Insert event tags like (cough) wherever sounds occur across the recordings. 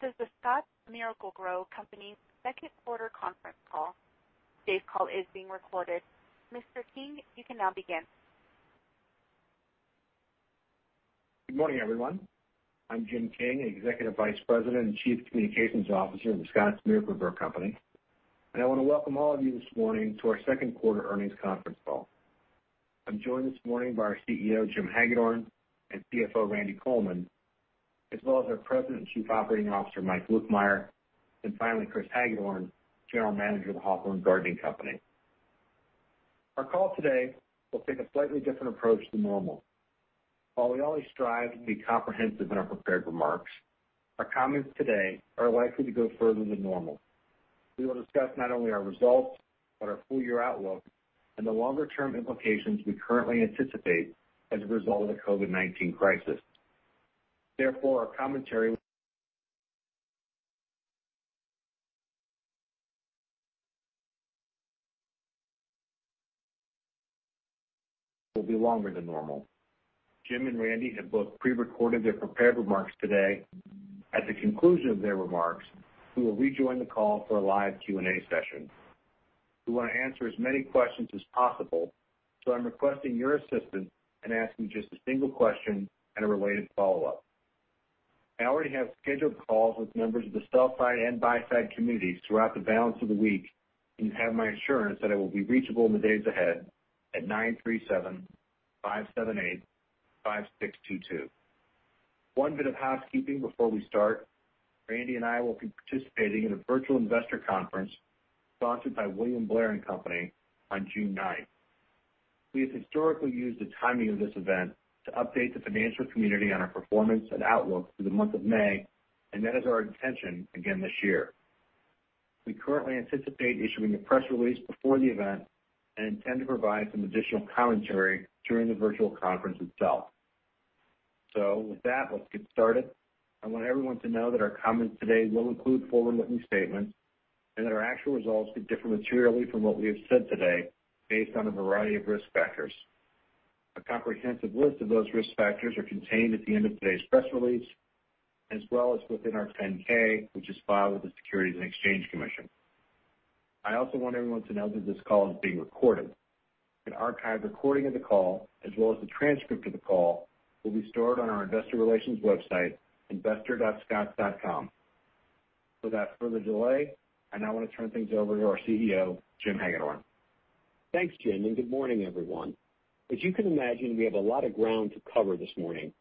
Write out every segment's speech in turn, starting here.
This is The Scotts Miracle-Gro Company's second quarter conference call. Today's call is being recorded. Mr. King, you can now begin. Good morning, everyone. I'm Jim King, Executive Vice President and Chief Communications Officer of The Scotts Miracle-Gro Company, and I want to welcome all of you this morning to our second quarter earnings conference call. I'm joined this morning by our CEO, Jim Hagedorn, and CFO, Randy Coleman, as well as our President and Chief Operating Officer, Mike Lukemire, and finally, Chris Hagedorn, General Manager of The Hawthorne Gardening Company. Our call today will take a slightly different approach than normal. While we always strive to be comprehensive in our prepared remarks, our comments today are likely to go further than normal. We will discuss not only our results, but our full-year outlook and the longer-term implications we currently anticipate as a result of the COVID-19 crisis. Therefore, our commentary will be longer than normal. Jim and Randy have both pre-recorded their prepared remarks today. At the conclusion of their remarks, we will rejoin the call for a live Q&A session. We want to answer as many questions as possible, so I'm requesting your assistance in asking just a single question and a related follow-up. I already have scheduled calls with members of the sell side and buy side communities throughout the balance of the week, and you have my assurance that I will be reachable in the days ahead at 937-578-5622. One bit of housekeeping before we start. Randy and I will be participating in a virtual investor conference sponsored by William Blair & Company on June 9th. We have historically used the timing of this event to update the financial community on our performance and outlook through the month of May, and that is our intention again this year. We currently anticipate issuing a press release before the event and intend to provide some additional commentary during the virtual conference itself. With that, let's get started. I want everyone to know that our comments today will include forward-looking statements and that our actual results could differ materially from what we have said today based on a variety of risk factors. A comprehensive list of those risk factors are contained at the end of today's press release, as well as within our 10-K, which is filed with the Securities and Exchange Commission. I also want everyone to know that this call is being recorded. An archived recording of the call, as well as the transcript of the call, will be stored on our investor relations website, investor.scotts.com. Without further delay, I now want to turn things over to our CEO, Jim Hagedorn. Thanks, Jim. Good morning, everyone. As you can imagine, we have a lot of ground to cover this morning.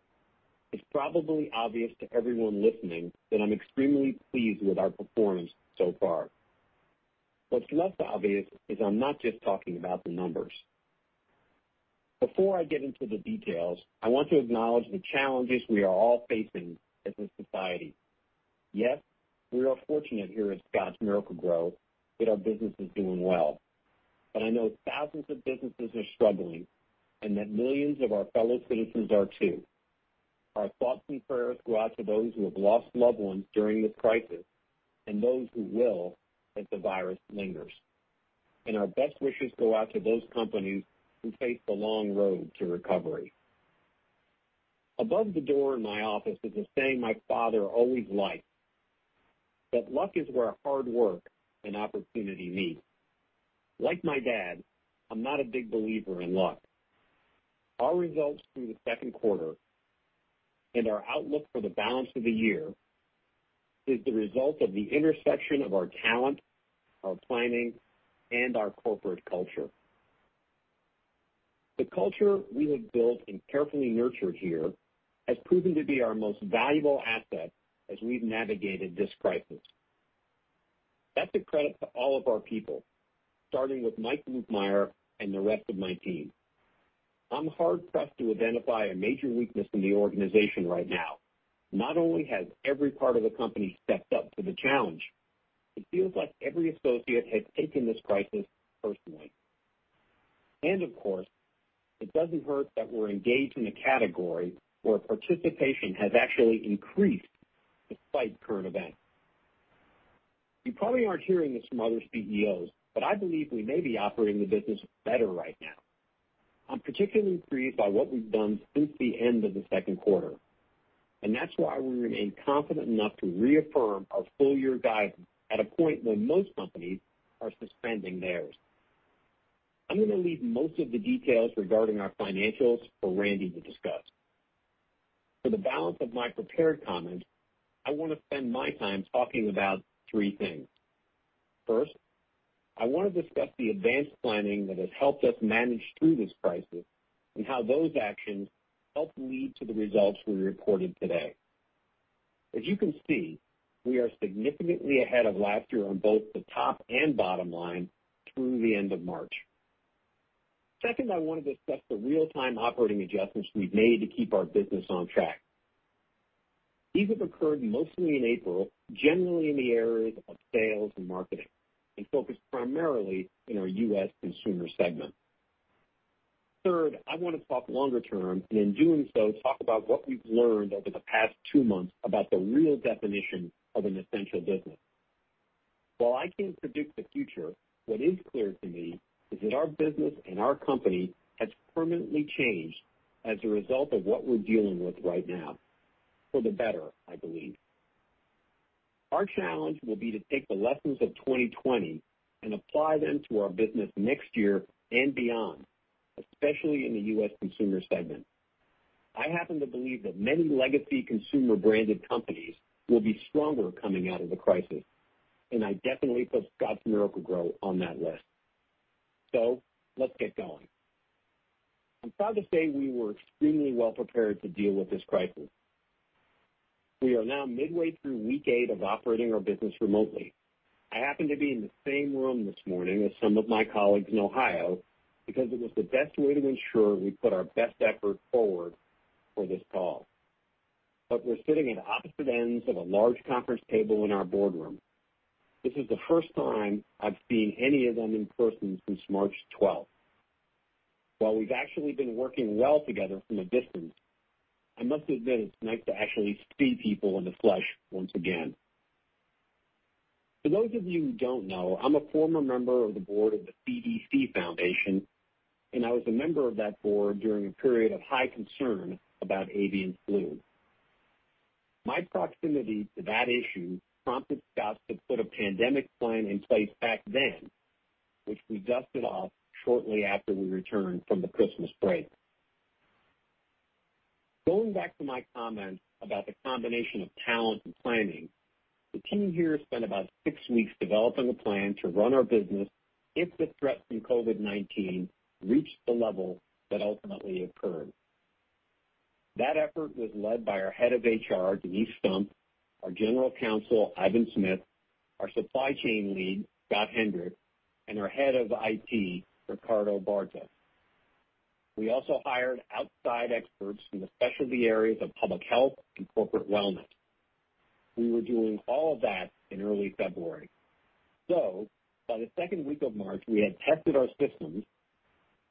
It's probably obvious to everyone listening that I'm extremely pleased with our performance so far. What's less obvious is I'm not just talking about the numbers. Before I get into the details, I want to acknowledge the challenges we are all facing as a society. Yes, we are fortunate here at Scotts Miracle-Gro that our business is doing well, but I know thousands of businesses are struggling and that millions of our fellow citizens are too. Our thoughts and prayers go out to those who have lost loved ones during this crisis and those who will as the virus lingers. Our best wishes go out to those companies who face the long road to recovery. Above the door in my office is a saying my father always liked, that luck is where hard work and opportunity meet. Like my dad, I'm not a big believer in luck. Our results through the second quarter and our outlook for the balance of the year is the result of the intersection of our talent, our planning, and our corporate culture. The culture we have built and carefully nurtured here has proven to be our most valuable asset as we've navigated this crisis. That's a credit to all of our people, starting with Mike Lukemire and the rest of my team. I'm hard-pressed to identify a major weakness in the organization right now. Not only has every part of the company stepped up to the challenge, it feels like every associate has taken this crisis personally. Of course, it doesn't hurt that we're engaged in a category where participation has actually increased despite current events. You probably aren't hearing this from other CEOs, but I believe we may be operating the business better right now. I'm particularly pleased by what we've done since the end of the second quarter, and that's why we remain confident enough to reaffirm our full-year guidance at a point when most companies are suspending theirs. I'm going to leave most of the details regarding our financials for Randy to discuss. For the balance of my prepared comments, I want to spend my time talking about three things. First, I want to discuss the advanced planning that has helped us manage through this crisis and how those actions helped lead to the results we reported today. As you can see, we are significantly ahead of last year on both the top and bottom line through the end of March. Second, I want to discuss the real-time operating adjustments we've made to keep our business on track. These have occurred mostly in April, generally in the areas of sales and marketing, and focused primarily in our U.S. Consumer segment. Third, I want to talk longer term, and in doing so, talk about what we've learned over the past two months about the real definition of an essential business. While I can't predict the future, what is clear to me is that our business and our company has permanently changed as a result of what we're dealing with right now, for the better, I believe. Our challenge will be to take the lessons of 2020 and apply them to our business next year and beyond, especially in the U.S. Consumer segment. I happen to believe that many legacy consumer-branded companies will be stronger coming out of the crisis, and I definitely put Scotts Miracle-Gro on that list. Let's get going. I'm proud to say we were extremely well-prepared to deal with this crisis. We are now midway through week eight of operating our business remotely. I happen to be in the same room this morning as some of my colleagues in Ohio because it was the best way to ensure we put our best effort forward for this call. We're sitting at opposite ends of a large conference table in our boardroom. This is the first time I've seen any of them in person since March 12th. While we've actually been working well together from a distance, I must admit it's nice to actually see people in the flesh once again. For those of you who don't know, I'm a former member of the board of the CDC Foundation, and I was a member of that board during a period of high concern about avian flu. My proximity to that issue prompted Scotts to put a pandemic plan in place back then, which we dusted off shortly after we returned from the Christmas break. Going back to my comments about the combination of talent and planning, the team here spent about six weeks developing a plan to run our business if the threat from COVID-19 reached the level that ultimately occurred. That effort was led by our head of HR, Denise Stump, our general counsel, Ivan Smith, our supply chain lead, Scott Hendrick, and our head of IT, Ricardo Bartra. We also hired outside experts in the specialty areas of public health and corporate wellness. By the second week of March, we had tested our systems,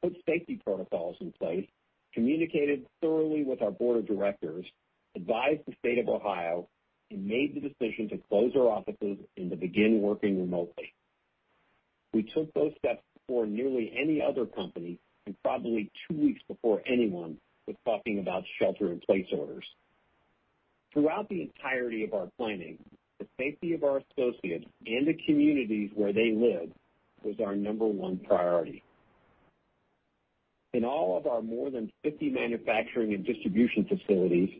put safety protocols in place, communicated thoroughly with our board of directors, advised the State of Ohio, and made the decision to close our offices and to begin working remotely. We took those steps before nearly any other company and probably two weeks before anyone was talking about shelter-in-place orders. Throughout the entirety of our planning, the safety of our associates and the communities where they live was our number one priority. In all of our more than 50 manufacturing and distribution facilities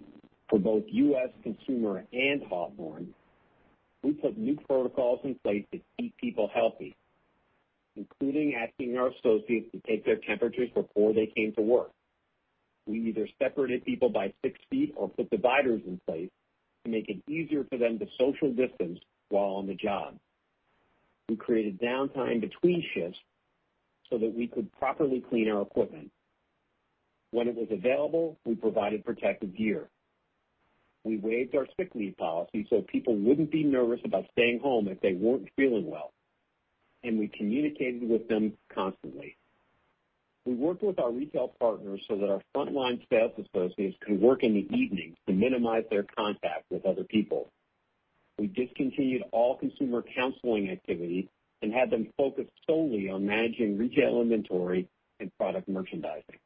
for both U.S. Consumer and Hawthorne, we put new protocols in place to keep people healthy, including asking our associates to take their temperatures before they came to work. We either separated people by 6 ft or put dividers in place to make it easier for them to social distance while on the job. We created downtime between shifts so that we could properly clean our equipment. When it was available, we provided protective gear. We waived our sick leave policy so people wouldn't be nervous about staying home if they weren't feeling well, and we communicated with them constantly. We worked with our retail partners so that our frontline sales associates could work in the evenings to minimize their contact with other people. We discontinued all consumer counseling activities and had them focused solely on managing retail inventory and product merchandising.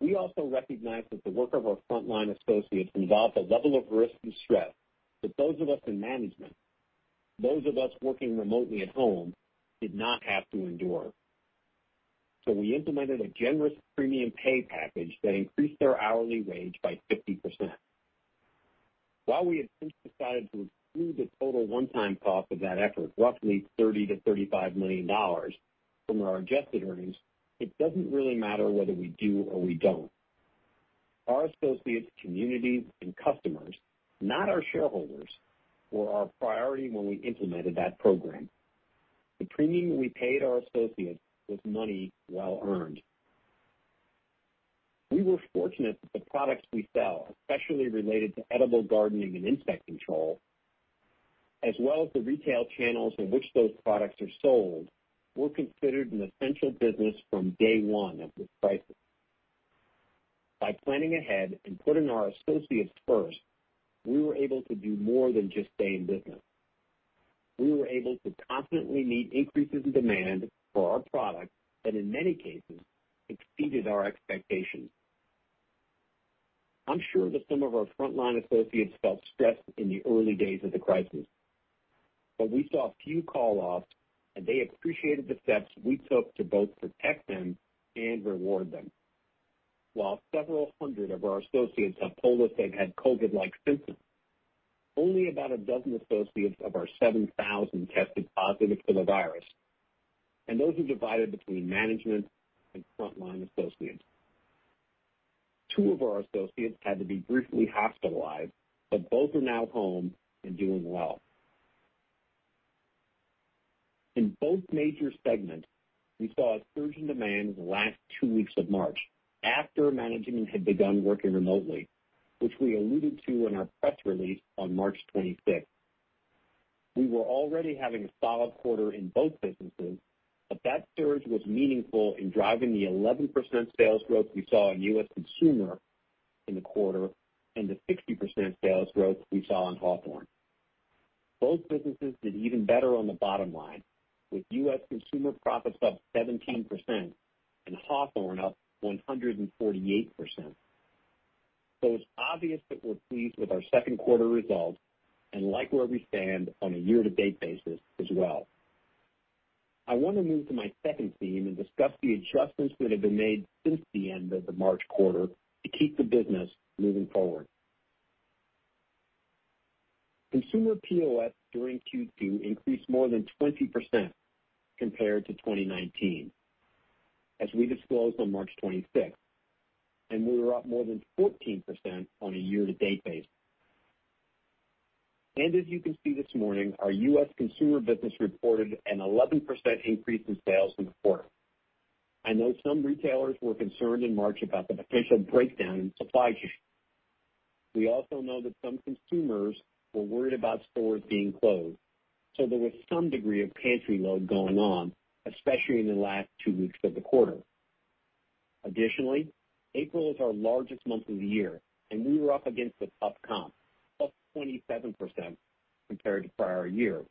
We also recognized that the work of our frontline associates involved a level of risk and stress that those of us in management, those of us working remotely at home, did not have to endure. We implemented a generous premium pay package that increased their hourly wage by 50%. While we had since decided to exclude the total one-time cost of that effort, roughly $30 million-$35 million, from our adjusted earnings, it doesn't really matter whether we do or we don't. Our associates, communities, and customers, not our shareholders, were our priority when we implemented that program. The premium we paid our associates was money well earned. We were fortunate that the products we sell, especially related to edible gardening and insect control, as well as the retail channels in which those products are sold, were considered an essential business from day one of this crisis. By planning ahead and putting our associates first, we were able to do more than just stay in business. We were able to confidently meet increases in demand for our products that, in many cases, exceeded our expectations. I'm sure that some of our frontline associates felt stressed in the early days of the crisis, but we saw a few call-offs, and they appreciated the steps we took to both protect them and reward them. While several hundred of our associates have told us they've had COVID-like symptoms, only about a dozen associates of our 7,000 tested positive for the virus, and those are divided between management and frontline associates. Two of our associates had to be briefly hospitalized, but both are now home and doing well. In both major segments, we saw a surge in demand in the last two weeks of March after management had begun working remotely, which we alluded to in our press release on March 26th. We were already having a solid quarter in both businesses, but that surge was meaningful in driving the 11% sales growth we saw in U.S. Consumer in the quarter and the 60% sales growth we saw in Hawthorne. Both businesses did even better on the bottom line, with U.S. Consumer profits up 17% and Hawthorne up 148%. It's obvious that we're pleased with our second quarter results and like where we stand on a year-to-date basis as well. I want to move to my second theme and discuss the adjustments that have been made since the end of the March quarter to keep the business moving forward. Consumer POS during Q2 increased more than 20% compared to 2019, as we disclosed on March 26th. We were up more than 14% on a year-to-date basis. As you can see this morning, our U.S. Consumer business reported an 11% increase in sales in the quarter. I know some retailers were concerned in March about the potential breakdown in supply chains. We also know that some consumers were worried about stores being closed. There was some degree of pantry load going on, especially in the last two weeks of the quarter. Additionally, April is our largest month of the year. We were up against a tough comp, up 27% compared to prior year.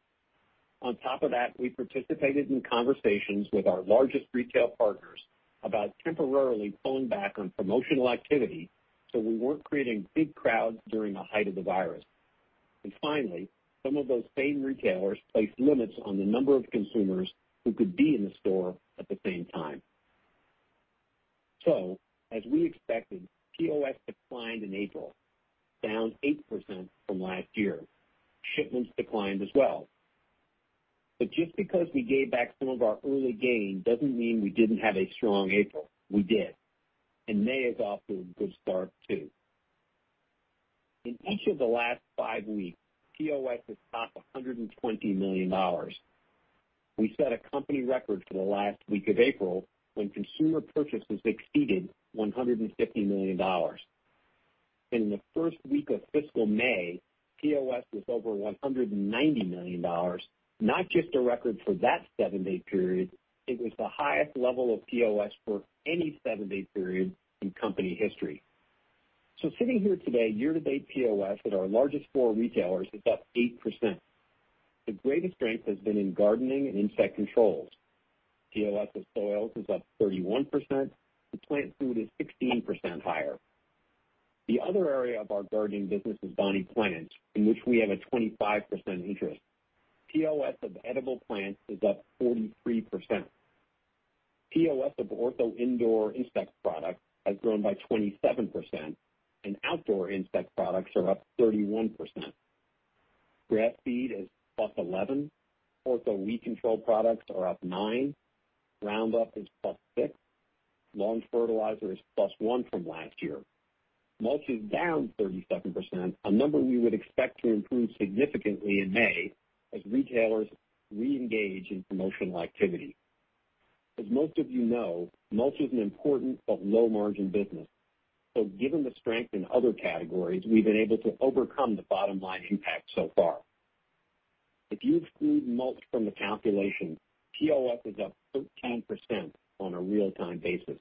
On top of that, we participated in conversations with our largest retail partners about temporarily pulling back on promotional activity, so we weren't creating big crowds during the height of the virus. Finally, some of those same retailers placed limits on the number of consumers who could be in the store at the same time. As we expected, POS declined in April, down 8% from last year. Shipments declined as well. Just because we gave back some of our early gains doesn't mean we didn't have a strong April. We did. May is off to a good start too. In each of the last five weeks, POS has topped $120 million. We set a company record for the last week of April, when consumer purchases exceeded $150 million. In the first week of fiscal May, POS was over $190 million. Not just a record for that seven-day period, it was the highest level of POS for any seven-day period in company history. Sitting here today, year-to-date POS at our largest four retailers is up 8%. The greatest strength has been in gardening and insect controls. POS of soils is up 31%, and plant food is 16% higher. The other area of our gardening business is Bonnie Plants, in which we have a 25% interest. POS of edible plants is up 43%. POS of Ortho indoor insect product has grown by 27%, and outdoor insect products are up 31%. Grass seed is +11%. Ortho weed control products are up 9%. Roundup is +6%. Lawn fertilizer is +1% from last year. Mulch is down 37%, a number we would expect to improve significantly in May as retailers reengage in promotional activity. As most of you know, mulch is an important but low-margin business. Given the strength in other categories, we've been able to overcome the bottom-line impact so far. If you exclude mulch from the calculation, POS is up 13% on a real-time basis.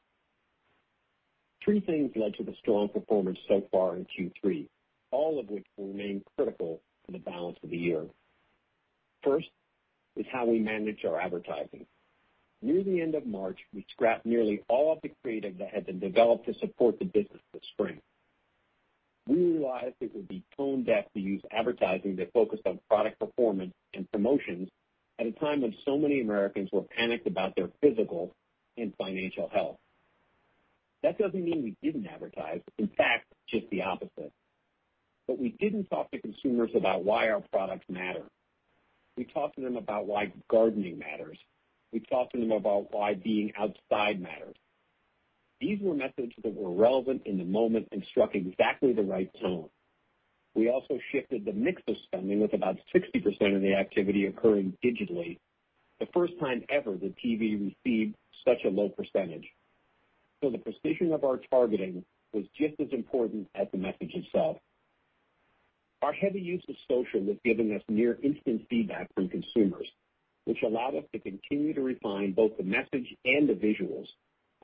Three things led to the strong performance so far in Q3, all of which will remain critical for the balance of the year. First is how we manage our advertising. Near the end of March, we scrapped nearly all of the creative that had been developed to support the business for spring. We realized it would be tone-deaf to use advertising that focused on product performance and promotions at a time when so many Americans were panicked about their physical and financial health. That doesn't mean we didn't advertise. In fact, just the opposite. We didn't talk to consumers about why our products matter. We talked to them about why gardening matters. We talked to them about why being outside matters. These were messages that were relevant in the moment and struck exactly the right tone. We also shifted the mix of spending, with about 60% of the activity occurring digitally, the first time ever that TV received such a low percentage. The precision of our targeting was just as important as the message itself. Our heavy use of social has given us near instant feedback from consumers, which allowed us to continue to refine both the message and the visuals,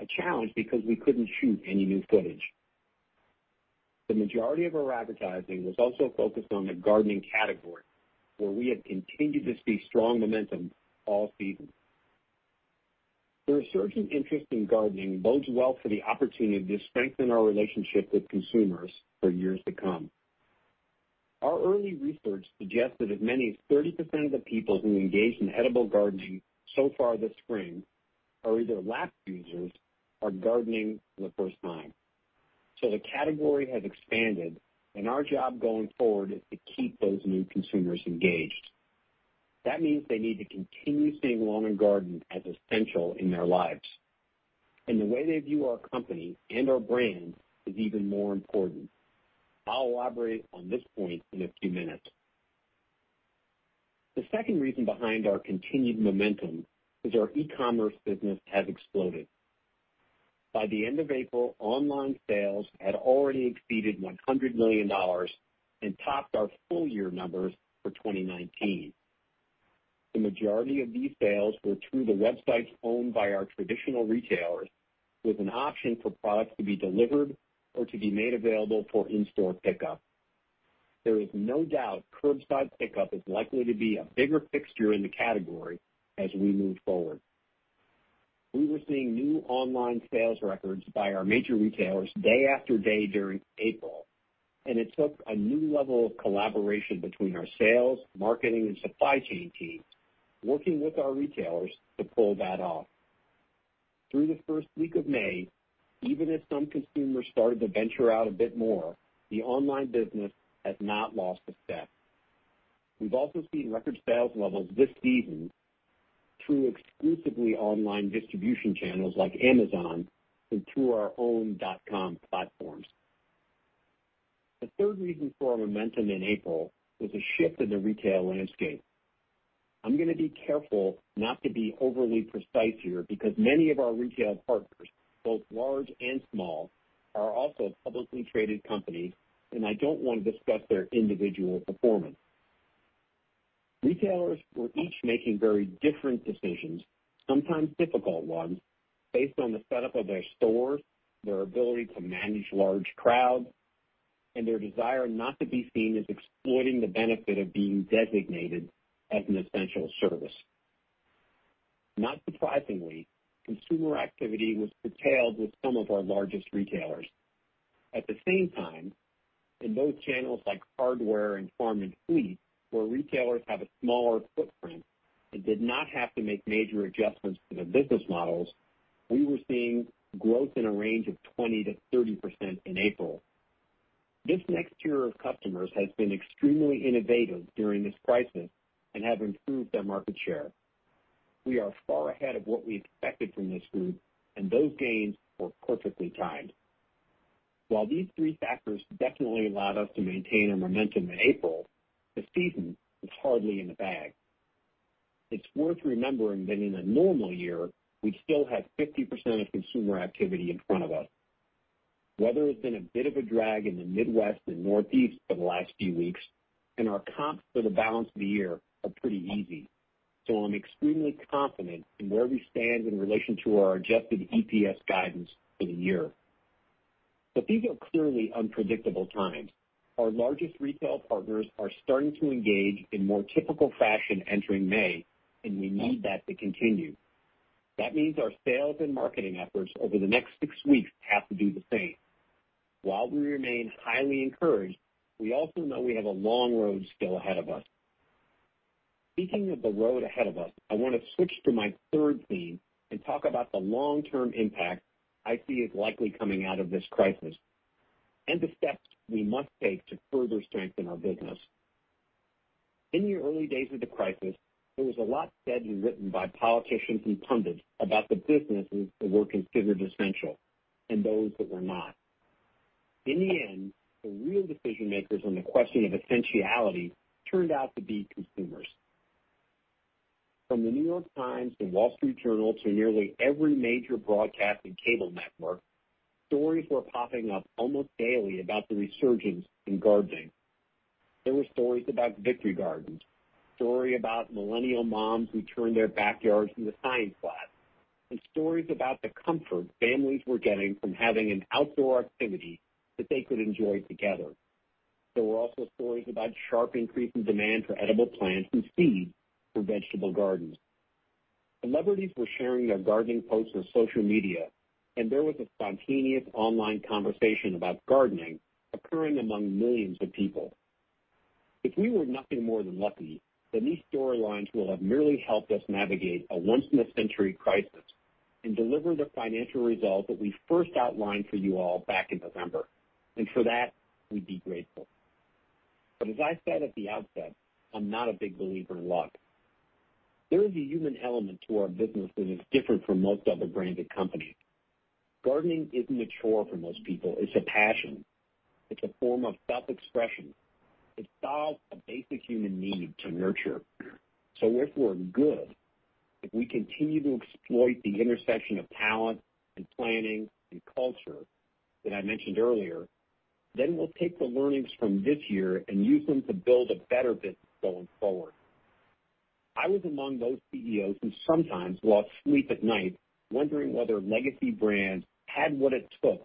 a challenge because we couldn't shoot any new footage. The majority of our advertising was also focused on the gardening category, where we have continued to see strong momentum all season. The resurgent interest in gardening bodes well for the opportunity to strengthen our relationship with consumers for years to come. Our early research suggests that as many as 30% of the people who engaged in edible gardening so far this spring are either lapsed users or gardening for the first time. The category has expanded, and our job going forward is to keep those new consumers engaged. That means they need to continue seeing lawn and garden as essential in their lives. The way they view our company and our brand is even more important. I'll elaborate on this point in a few minutes. The second reason behind our continued momentum is our e-commerce business has exploded. By the end of April, online sales had already exceeded $100 million and topped our full-year numbers for 2019. The majority of these sales were through the websites owned by our traditional retailers, with an option for products to be delivered or to be made available for in-store pickup. There is no doubt curbside pickup is likely to be a bigger fixture in the category as we move forward. We were seeing new online sales records by our major retailers day after day during April, and it took a new level of collaboration between our sales, marketing, and supply chain teams, working with our retailers to pull that off. Through the first week of May, even as some consumers started to venture out a bit more, the online business has not lost a step. We've also seen record sales levels this season through exclusively online distribution channels like Amazon and through our own .com platforms. The third reason for our momentum in April was a shift in the retail landscape. I'm going to be careful not to be overly precise here, because many of our retail partners, both large and small, are also publicly traded companies, and I don't want to discuss their individual performance. Retailers were each making very different decisions, sometimes difficult ones, based on the setup of their stores, their ability to manage large crowds, and their desire not to be seen as exploiting the benefit of being designated as an essential service. Not surprisingly, consumer activity was curtailed with some of our largest retailers. At the same time, in those channels like hardware and farm and fleet, where retailers have a smaller footprint and did not have to make major adjustments to their business models, we were seeing growth in a range of 20%-30% in April. This next tier of customers has been extremely innovative during this crisis and have improved their market share. We are far ahead of what we expected from this group, and those gains were perfectly timed. While these three factors definitely allowed us to maintain our momentum in April, the season is hardly in the bag. It's worth remembering that in a normal year, we still had 50% of consumer activity in front of us. Weather has been a bit of a drag in the Midwest and Northeast for the last few weeks, and our comps for the balance of the year are pretty easy. I'm extremely confident in where we stand in relation to our adjusted EPS guidance for the year. These are clearly unpredictable times. Our largest retail partners are starting to engage in more typical fashion entering May, and we need that to continue. That means our sales and marketing efforts over the next six weeks have to do the same. While we remain highly encouraged, we also know we have a long road still ahead of us. Speaking of the road ahead of us, I want to switch to my third theme and talk about the long-term impact I see is likely coming out of this crisis, the steps we must take to further strengthen our business. In the early days of the crisis, there was a lot said and written by politicians and pundits about the businesses that were considered essential and those that were not. In the end, the real decision makers on the question of essentiality turned out to be consumers. From The New York Times to The Wall Street Journal to nearly every major broadcast and cable network, stories were popping up almost daily about the resurgence in gardening. There were stories about victory gardens, story about millennial moms who turned their backyards into science class, and stories about the comfort families were getting from having an outdoor activity that they could enjoy together. There were also stories about sharp increase in demand for edible plants and seeds for vegetable gardens. Celebrities were sharing their gardening posts on social media, and there was a spontaneous online conversation about gardening occurring among millions of people. If we were nothing more than lucky, then these storylines will have merely helped us navigate a once in a century crisis and deliver the financial results that we first outlined for you all back in November, and for that, we'd be grateful. As I said at the outset, I'm not a big believer in luck. There is a human element to our business that is different from most other branded companies. Gardening isn't a chore for most people. It's a passion. It's a form of self-expression. It solves a basic human need to nurture. If we're good, if we continue to exploit the intersection of talent and planning and culture that I mentioned earlier, then we'll take the learnings from this year and use them to build a better business going forward. I was among those CEOs who sometimes lost sleep at night wondering whether legacy brands had what it took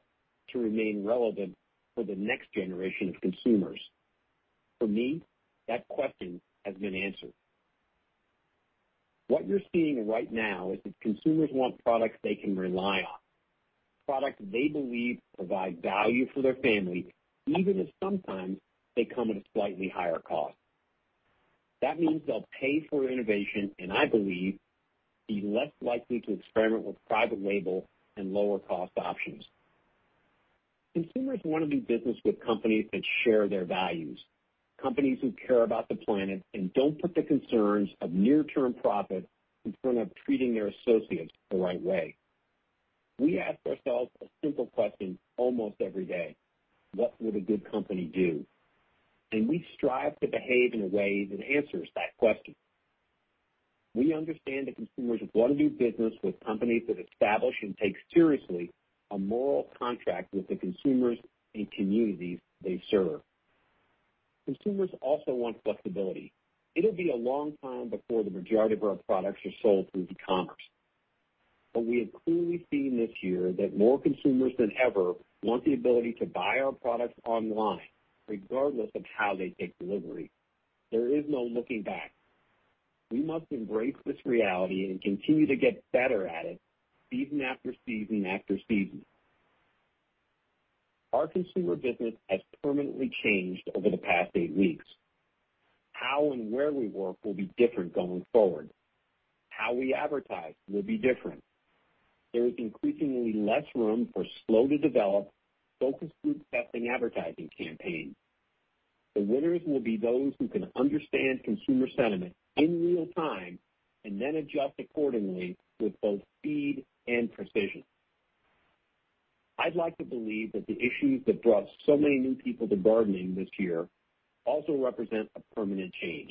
to remain relevant for the next generation of consumers. For me, that question has been answered. What you're seeing right now is that consumers want products they can rely on, products they believe provide value for their family, even if sometimes they come at a slightly higher cost. That means they'll pay for innovation, and I believe be less likely to experiment with private label and lower cost options. Consumers want to do business with companies that share their values, companies who care about the planet and don't put the concerns of near-term profit in front of treating their associates the right way. We ask ourselves a simple question almost every day, "What would a good company do?" We strive to behave in a way that answers that question. We understand that consumers want to do business with companies that establish and take seriously a moral contract with the consumers and communities they serve. Consumers also want flexibility. It'll be a long time before the majority of our products are sold through e-commerce. We have clearly seen this year that more consumers than ever want the ability to buy our products online regardless of how they take delivery. There is no looking back. We must embrace this reality and continue to get better at it season after season after season. Our consumer business has permanently changed over the past eight weeks. How and where we work will be different going forward. How we advertise will be different. There is increasingly less room for slow to develop, focus group testing advertising campaigns. The winners will be those who can understand consumer sentiment in real time and then adjust accordingly with both speed and precision. I'd like to believe that the issues that brought so many new people to gardening this year also represent a permanent change.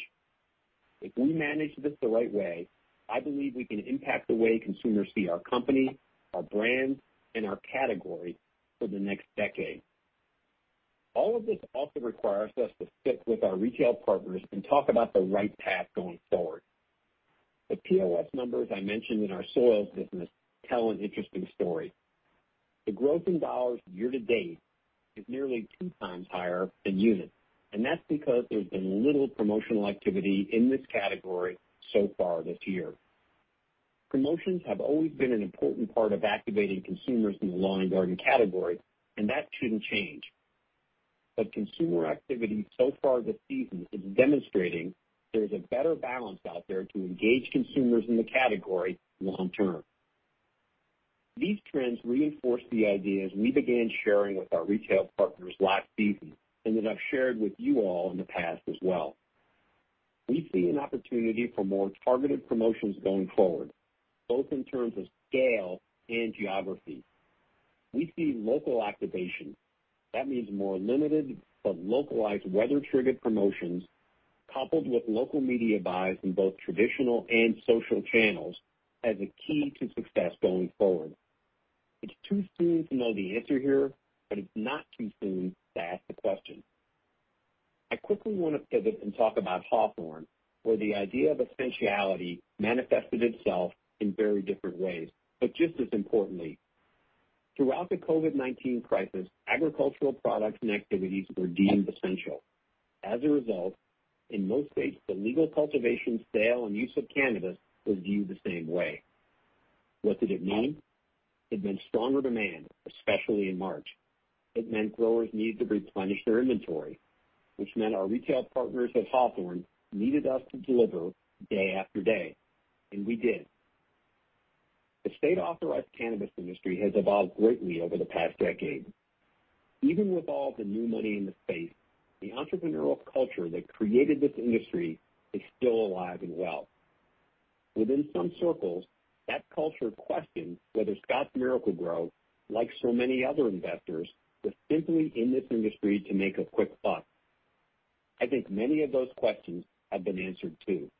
If we manage this the right way, I believe we can impact the way consumers see our company, our brands, and our category for the next decade. All of this also requires us to sit with our retail partners and talk about the right path going forward. The POS numbers I mentioned in our soils business tell an interesting story. The growth in dollars year-to-date is nearly 2x higher than units, and that's because there's been little promotional activity in this category so far this year. Promotions have always been an important part of activating consumers in the lawn and garden category, and that shouldn't change. Consumer activity so far this season is demonstrating there's a better balance out there to engage consumers in the category long term. These trends reinforce the ideas we began sharing with our retail partners last season, and that I've shared with you all in the past as well. We see an opportunity for more targeted promotions going forward, both in terms of scale and geography. We see local activation. That means more limited but localized weather triggered promotions coupled with local media buys in both traditional and social channels as a key to success going forward. It's too soon to know the answer here, but it's not too soon to ask the question. I quickly want to pivot and talk about Hawthorne, where the idea of essentiality manifested itself in very different ways. But just as importantly, throughout the COVID-19 crisis, agricultural products and activities were deemed essential. As a result, in most states, the legal cultivation, sale, and use of cannabis was viewed the same way. What did it mean? It meant stronger demand, especially in March. It meant growers needed to replenish their inventory, which meant our retail partners at Hawthorne needed us to deliver day after day, and we did. The state authorized cannabis industry has evolved greatly over the past decade. Even with all the new money in the space, the entrepreneurial culture that created this industry is still alive and well. Within some circles, that culture questioned whether Scotts Miracle-Gro, like so many other investors, was simply in this industry to make a quick buck. I think many of those questions have been answered too.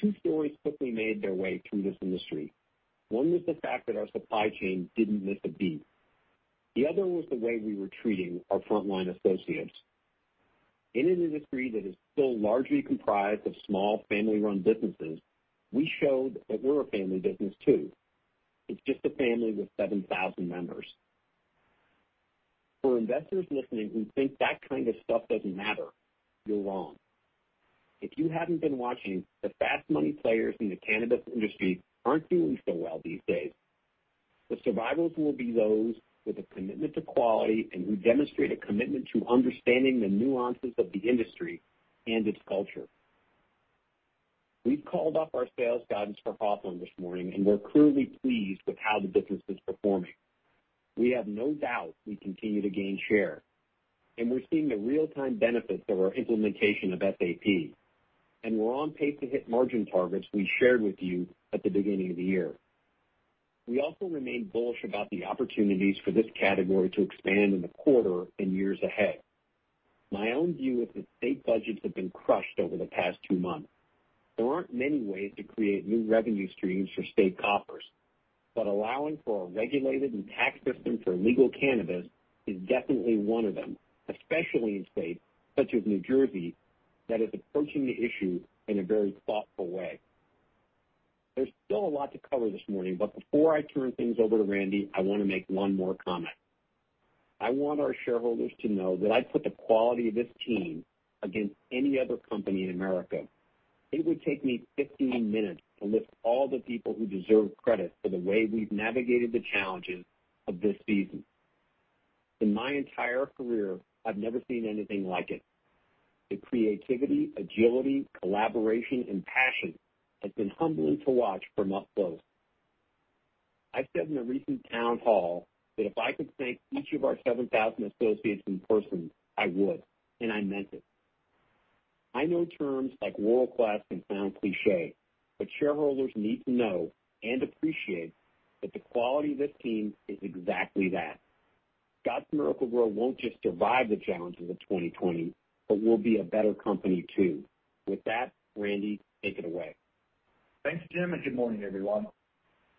Two stories quickly made their way through this industry. One was the fact that our supply chain didn't miss a beat. The other was the way we were treating our frontline associates. In an industry that is still largely comprised of small family-run businesses, we showed that we're a family business too. It's just a family with 7,000 members. For investors listening who think that kind of stuff doesn't matter, you're wrong. If you haven't been watching, the fast money players in the cannabis industry aren't doing so well these days. The survivors will be those with a commitment to quality and who demonstrate a commitment to understanding the nuances of the industry and its culture. We've called up our sales guidance for Hawthorne this morning, and we're clearly pleased with how the business is performing. We have no doubt we continue to gain share, and we're seeing the real-time benefits of our implementation of SAP, and we're on pace to hit margin targets we shared with you at the beginning of the year. We also remain bullish about the opportunities for this category to expand in the quarter and years ahead. My own view is that state budgets have been crushed over the past two months. There aren't many ways to create new revenue streams for state coffers but allowing for a regulated and taxed system for legal cannabis is definitely one of them, especially in states such as New Jersey that is approaching the issue in a very thoughtful way. There's still a lot to cover this morning, but before I turn things over to Randy, I want to make one more comment. I want our shareholders to know that I put the quality of this team against any other company in America. It would take me 15 minutes to list all the people who deserve credit for the way we've navigated the challenges of this season. In my entire career, I've never seen anything like it. The creativity, agility, collaboration, and passion has been humbling to watch from up close. I said in a recent town hall that if I could thank each of our 7,000 associates in person, I would, and I meant it. I know terms like world-class can sound cliché, but shareholders need to know and appreciate that the quality of this team is exactly that. Scotts Miracle-Gro won't just survive the challenges of 2020, but we'll be a better company too. With that, Randy, take it away. Thanks, Jim, and good morning, everyone.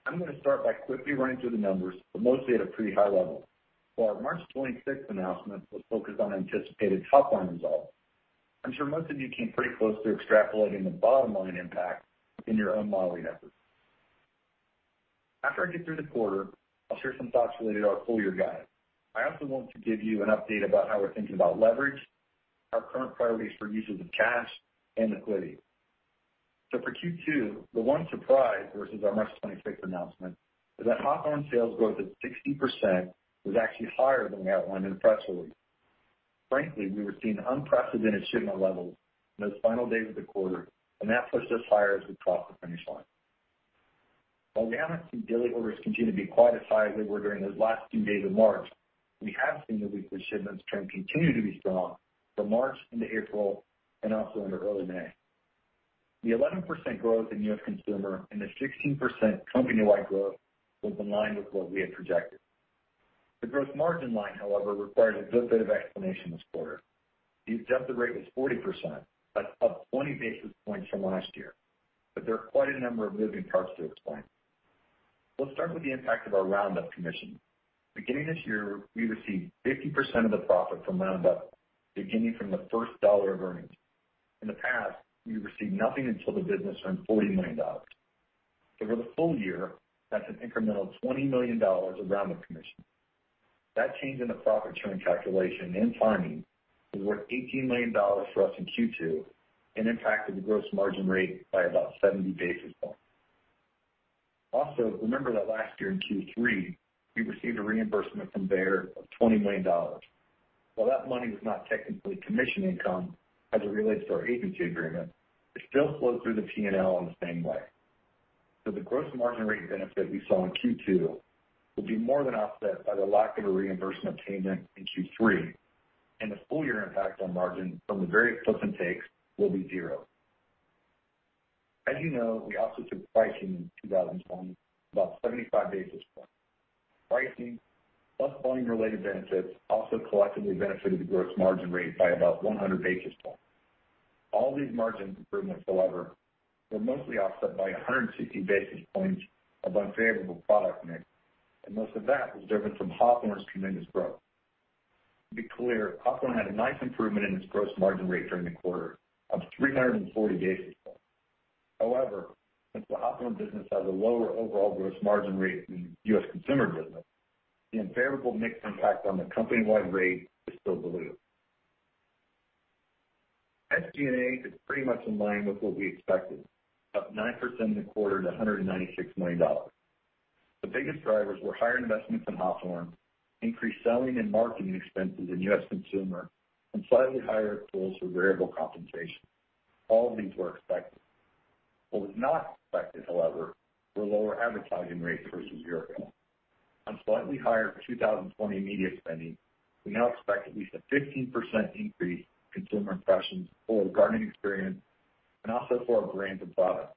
I'm going to start by quickly running through the numbers, but mostly at a pretty high level. While our March 26th announcement was focused on anticipated top-line results, I'm sure most of you came pretty close to extrapolating the bottom-line impact in your own modeling efforts. After I get through the quarter, I'll share some thoughts related to our full-year guide. I also want to give you an update about how we're thinking about leverage, our current priorities for uses of cash, and liquidity. For Q2, the one surprise versus our March 26th announcement is that Hawthorne sales growth at 60% was actually higher than we outlined in the press release. Frankly, we were seeing unprecedented shipment levels in those final days of the quarter, and that pushed us higher as we crossed the finish line. While we haven't seen daily orders continue to be quite as high as they were during those last few days of March, we have seen the weekly shipments trend continue to be strong from March into April and also into early May. The 11% growth in U.S. Consumer and the 16% company-wide growth was in line with what we had projected. The gross margin line, however, requires a good bit of explanation this quarter. The adjusted rate was 40%, up 20 basis points from last year, but there are quite a number of moving parts to explain. Let's start with the impact of our Roundup commissions. Beginning this year, we receive 50% of the profit from Roundup, beginning from the first dollar of earnings. In the past, we received nothing until the business earned $40 million. Over the full year, that's an incremental $20 million of Roundup commission. That change in the profit-sharing calculation and timing is worth $18 million for us in Q2 and impacted the gross margin rate by about 70 basis points. Remember that last year in Q3, we received a reimbursement from Bayer of $20 million. While that money was not technically commission income as it relates to our agency agreement, it still flowed through the P&L in the same way. The gross margin rate benefit we saw in Q2 will be more than offset by the lack of a reimbursement payment in Q3, and the full-year impact on margin from the various gives and takes will be zero. As you know, we also took pricing in 2020, about 75 basis points. Pricing plus volume-related benefits also collectively benefited the gross margin rate by about 100 basis points. All these margin improvements, however, were mostly offset by 160 basis points of unfavorable product mix, and most of that was driven from Hawthorne's tremendous growth. To be clear, Hawthorne had a nice improvement in its gross margin rate during the quarter of 340 basis points. However, since the Hawthorne business has a lower overall gross margin rate than U.S. Consumer business, the unfavorable mix impact on the company-wide rate is still diluted. SG&A is pretty much in line with what we expected, up 9% in the quarter to $196 million. The biggest drivers were higher investments in Hawthorne, increased selling and marketing expenses in U.S. Consumer, and slightly higher pools for variable compensation. All of these were expected. What was not expected, however, were lower advertising rates versus a year ago. On slightly higher 2020 media spending, we now expect at least a 15% increase in consumer impressions for our gardening experience and also for our brands and products.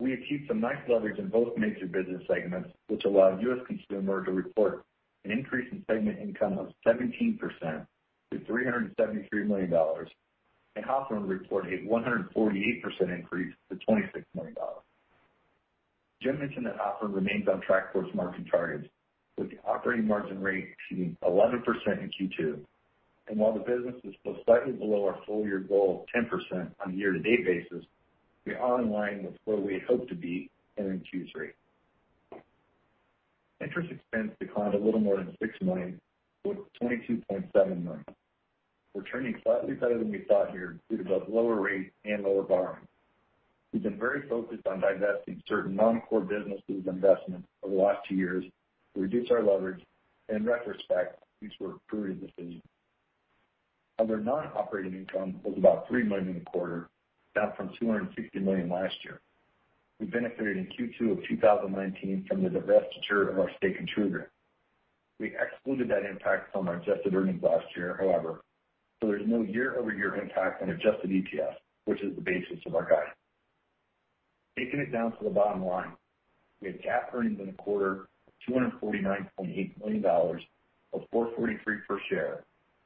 We achieved some nice leverage in both major business segments, which allowed U.S. Consumer to report an increase in segment income of 17% to $373 million, and Hawthorne reported a 148% increase to $26 million. Jim mentioned that Hawthorne remains on track for its margin targets, with the operating margin rate exceeding 11% in Q2. While the business is still slightly below our full-year goal of 10% on a year-to-date basis, we are in line with where we had hoped to be entering Q3. Interest expense declined a little more than $6 million to $22.7 million. We're trending slightly better than we thought here due to both lower rates and lower borrowing. We've been very focused on divesting certain non-core businesses and investments over the last two years to reduce our leverage. In retrospect, these were prudent decisions. Other non-operating income was about $3 million a quarter, down from $260 million last year. We benefited in Q2 of 2019 from the divestiture of our stake in TruGreen. We excluded that impact from our adjusted earnings last year, however, so there's no year-over-year impact on adjusted EPS, which is the basis of our guidance. Taking it down to the bottom line, we had GAAP earnings in the quarter of $249.8 million, or $4.43 per share,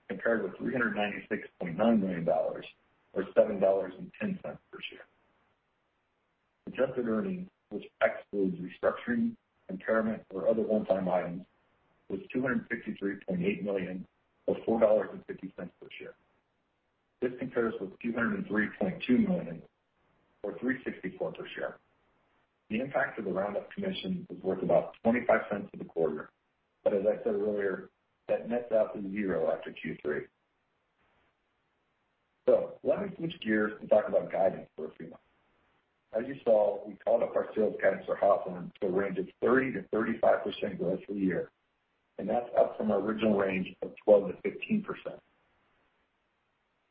compared with $396.9 million, or $7.10 per share. Adjusted earnings, which excludes restructuring, impairment, or other one-time items, was $253.8 million, or $4.50 per share. This compares with $203.2 million, or $3.64 per share. The impact of the Roundup commission was worth about $0.25 for the quarter, but as I said earlier, that nets out to zero after Q3. Let me switch gears and talk about guidance for a few moments. As you saw, we called up our sales guidance for Hawthorne to a range of 30%-35% growth for the year, and that's up from our original range of 12%-15%.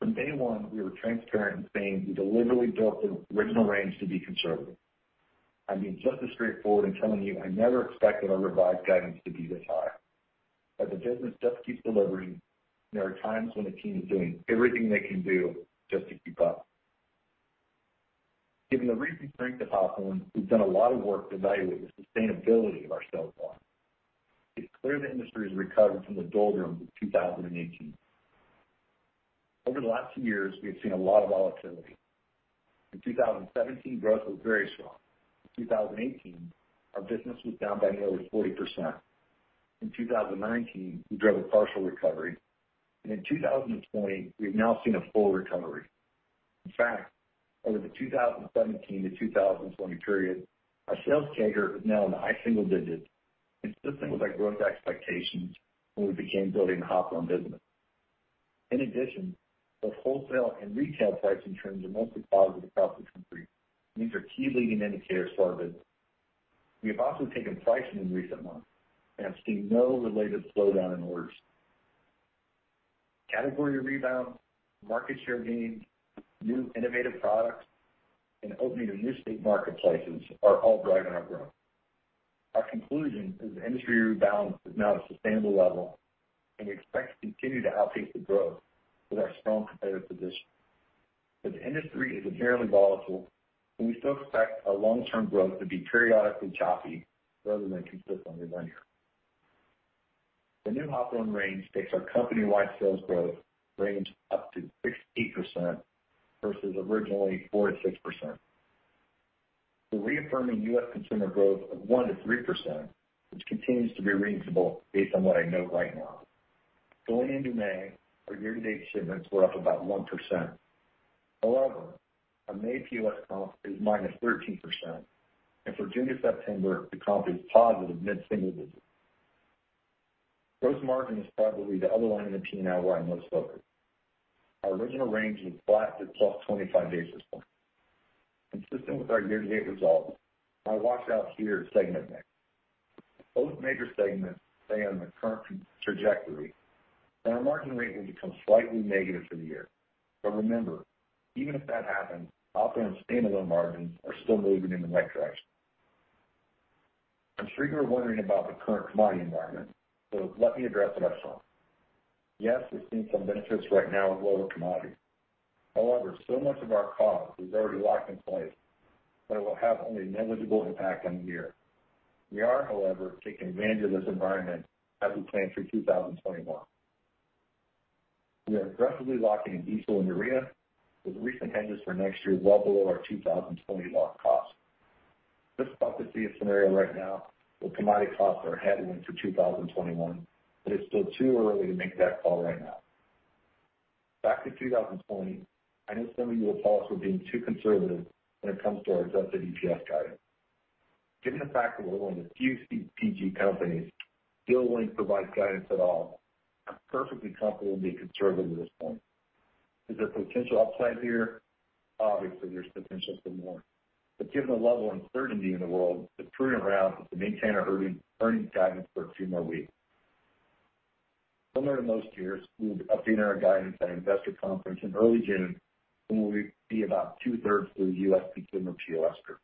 From day one, we were transparent in saying we deliberately built the original range to be conservative. I've been just as straightforward in telling you I never expected our revised guidance to be this high. The business just keeps delivering, and there are times when the team is doing everything they can do just to keep up. Given the recent strength of Hawthorne, we've done a lot of work to evaluate the sustainability of our sales growth. It's clear the industry has recovered from the doldrums of 2018. Over the last few years, we have seen a lot of volatility. In 2017, growth was very strong. In 2018, our business was down by nearly 40%. In 2019, we drove a partial recovery, and in 2020, we've now seen a full recovery. In fact, over the 2017 to 2020 period, our sales CAGR is now in the high single digits, consistent with our growth expectations when we began building the Hawthorne business. In addition, both wholesale and retail pricing trends are mostly positive across the country, and these are key leading indicators for our business. We have also taken pricing in recent months and have seen no related slowdown in orders. Category rebound, market share gains, new innovative products, and opening of new state marketplaces are all driving our growth. Our conclusion is the industry rebound is now at a sustainable level, and we expect to continue to outpace the growth with our strong competitive position. The industry is inherently volatile, and we still expect our long-term growth to be periodically choppy rather than consistently linear. The new Hawthorne range takes our company-wide sales growth range up to 6%-8% versus originally 4%-6%. We're reaffirming U.S. Consumer growth of 1%-3%, which continues to be reasonable based on what I know right now. Going into May, our year-to-date shipments were up about 1%. However, our May POS comp is -13%, and for June to September, the comp is positive mid-single digits. Gross margin is probably the other line in the P&L where I'm most focused. Our original range has flattened to +25 basis points. Consistent with our year-to-date results, I walked out here segment mix. If both major segments stay on the current trajectory, then our margin rate will become slightly negative for the year. Remember, even if that happens, operating standalone margins are still moving in the right direction. I'm sure you're wondering about the current commodity environment, so let me address it up front. Yes, we're seeing some benefits right now with lower commodities. However, so much of our cost was already locked in place that it will have only a negligible impact on the year. We are, however, taking advantage of this environment as we plan for 2021. We are aggressively locking in diesel and urea with recent hedges for next year well below our 2020 locked cost. This is about the safest scenario right now, where commodity costs are heading into 2021, but it's still too early to make that call right now. Back to 2020, I know some of you will call us for being too conservative when it comes to our adjusted EPS guidance. Given the fact that we're one of the few CPG companies still willing to provide guidance at all, I'm perfectly comfortable being conservative at this point. Is there potential upside here? Obviously, there's potential for more. Given the level of uncertainty in the world, the prudent route is to maintain our earnings guidance for a few more weeks. Similar to most years, we will be updating our guidance at Investor Conference in early June, when we will be about 2/3 through the U.S. Consumer POS period.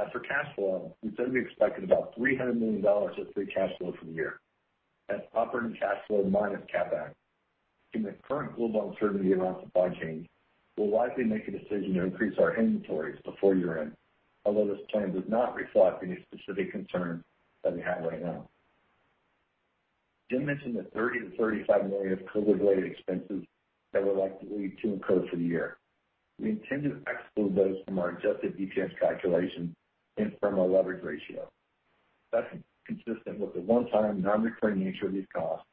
As for cash flow, we said we expected about $300 million of free cash flow for the year. That's operating cash flow minus CapEx. Given the current global uncertainty around supply chains, we'll likely make a decision to increase our inventories before year-end, although this plan does not reflect any specific concern that we have right now. Jim mentioned the $30 million-$35 million of COVID-related expenses that we're likely to incur for the year. We intend to exclude those from our adjusted EPS calculation and from our leverage ratio. That's consistent with the one-time, non-recurring nature of these costs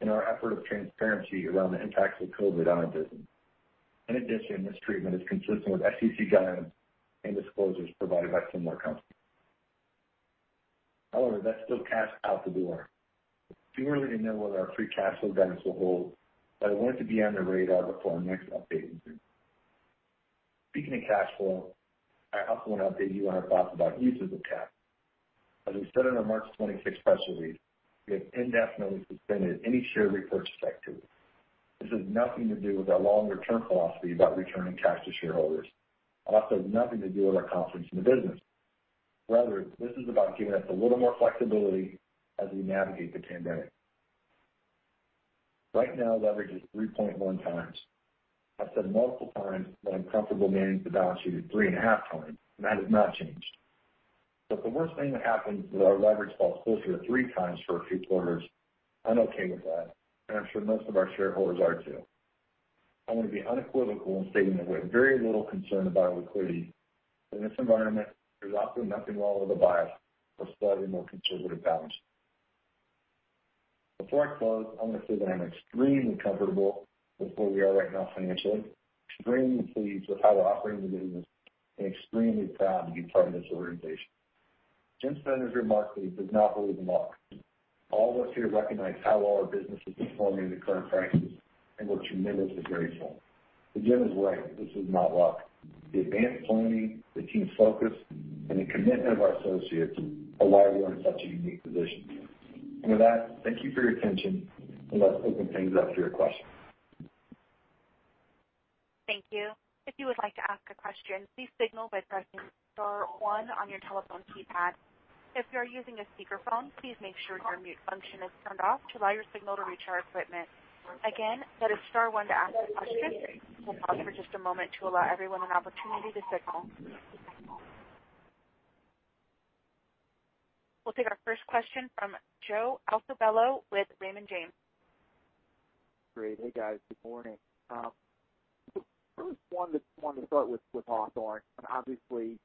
and our effort of transparency around the impacts of COVID on our business. This treatment is consistent with SEC guidance and disclosures provided by similar companies. That's still cash out the door. It's too early to know whether our free cash flow guidance will hold, but I want it to be on the radar before our next update in June. Speaking of cash flow, I also want to update you on our thoughts about uses of cash. As we said in our March 26th press release, we have indefinitely suspended any share repurchase activity. This has nothing to do with our longer-term philosophy about returning cash to shareholders and also has nothing to do with our confidence in the business. Rather, this is about giving us a little more flexibility as we navigate the pandemic. Right now, leverage is 3.1x. I've said multiple times that I'm comfortable managing the balance sheet at 3.5x, and that has not changed. If the worst thing that happens is our leverage falls closer to 3x for a few quarters, I'm okay with that, and I'm sure most of our shareholders are, too. I want to be unequivocal in stating that we have very little concern about liquidity. In this environment, there's also nothing wrong with a bias for a slightly more conservative balance sheet. Before I close, I want to say that I'm extremely comfortable with where we are right now financially, extremely pleased with how we're operating the business, and extremely proud to be part of this organization. Jim said in his remarks that he does not believe in luck. All of us here recognize how well our business is performing in the current crisis, and we're tremendously grateful. Jim is right. This is not luck. The advanced planning, the team's focus, and the commitment of our associates, we're in such a unique position. With that, thank you for your attention, and let's open things up to your questions. Thank you. If you would like to ask a question, please signal by pressing star one on your telephone keypad. If you are using a speakerphone, please make sure your mute function is turned off to allow your signal to reach our equipment. Again, that is star one to ask a question. We'll pause for just a moment to allow everyone an opportunity to signal. We'll take our first question from Joe Altobello with Raymond James. Great. Hey, guys. Good morning. First, wanted to start with Hawthorne. Obviously,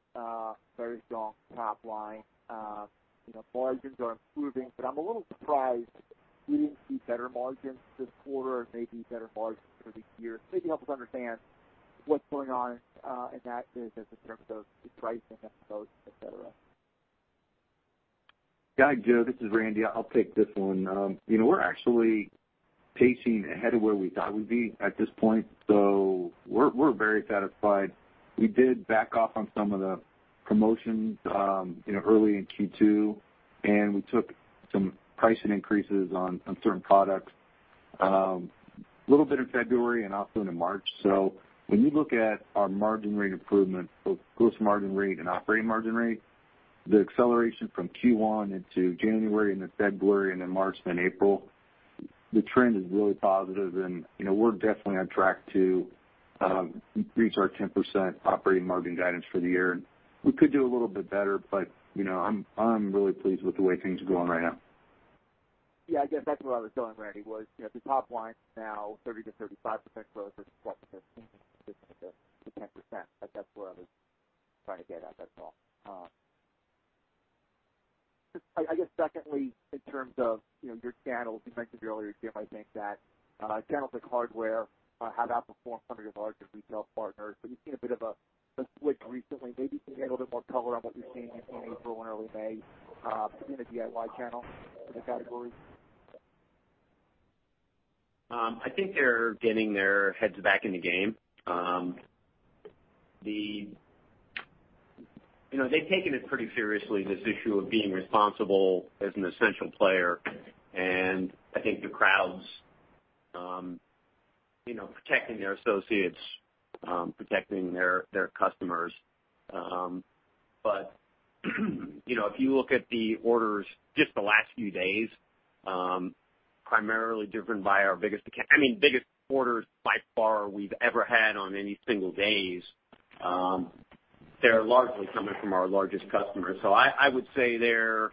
very strong top line. Margins are improving, but I'm a little surprised we didn't see better margins this quarter or maybe better margins for the year. Maybe help us understand what's going on in that business in terms of the pricing and so on, et cetera. Yeah, Joe, this is Randy. I'll take this one. We're actually pacing ahead of where we thought we'd be at this point, so we're very satisfied. We did back off on some of the promotions early in Q2, and we took some pricing increases on certain products little bit in February and also into March. When you look at our margin rate improvement, both gross margin rate and operating margin rate, the acceleration from Q1 into January, into February, and then March, then April, the trend is really positive and we're definitely on track to reach our 10% operating margin guidance for the year. We could do a little bit better, but I'm really pleased with the way things are going right now. Yeah, I guess that's where I was going, Randy, was the top line's now 30%-35% growth versus (audio distortion) to 10%. That's where I was trying to get at, that's all. I guess secondly, in terms of your channels, you mentioned earlier, Jim, I think that channels like hardware have outperformed some of your larger retail partners, but you've seen a bit of a switch recently. Maybe if you can give a little bit more color on what you're seeing in April and early May in the DIY channel for the categories. I think they're getting their heads back in the game. They've taken it pretty seriously, this issue of being responsible as an essential player. I think the crowds protecting their associates, protecting their customers. If you look at the orders just the last few days primarily driven by our biggest orders by far we've ever had on any single days, they're largely coming from our largest customers. I would say they're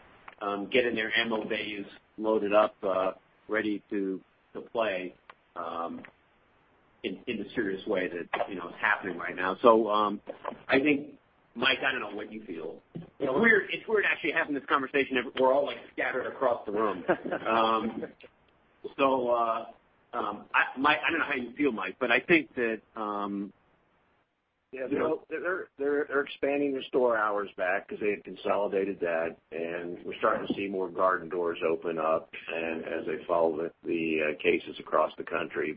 getting their ammo bays loaded up, ready to play in the serious way that is happening right now. I think, Mike, I don't know what you feel. It's weird actually having this conversation if we're all scattered across the room. I don't know how you feel, Mike, but I think that. Yeah. They're expanding their store hours back because they had consolidated that, and we're starting to see more garden doors open up and as they follow the cases across the country.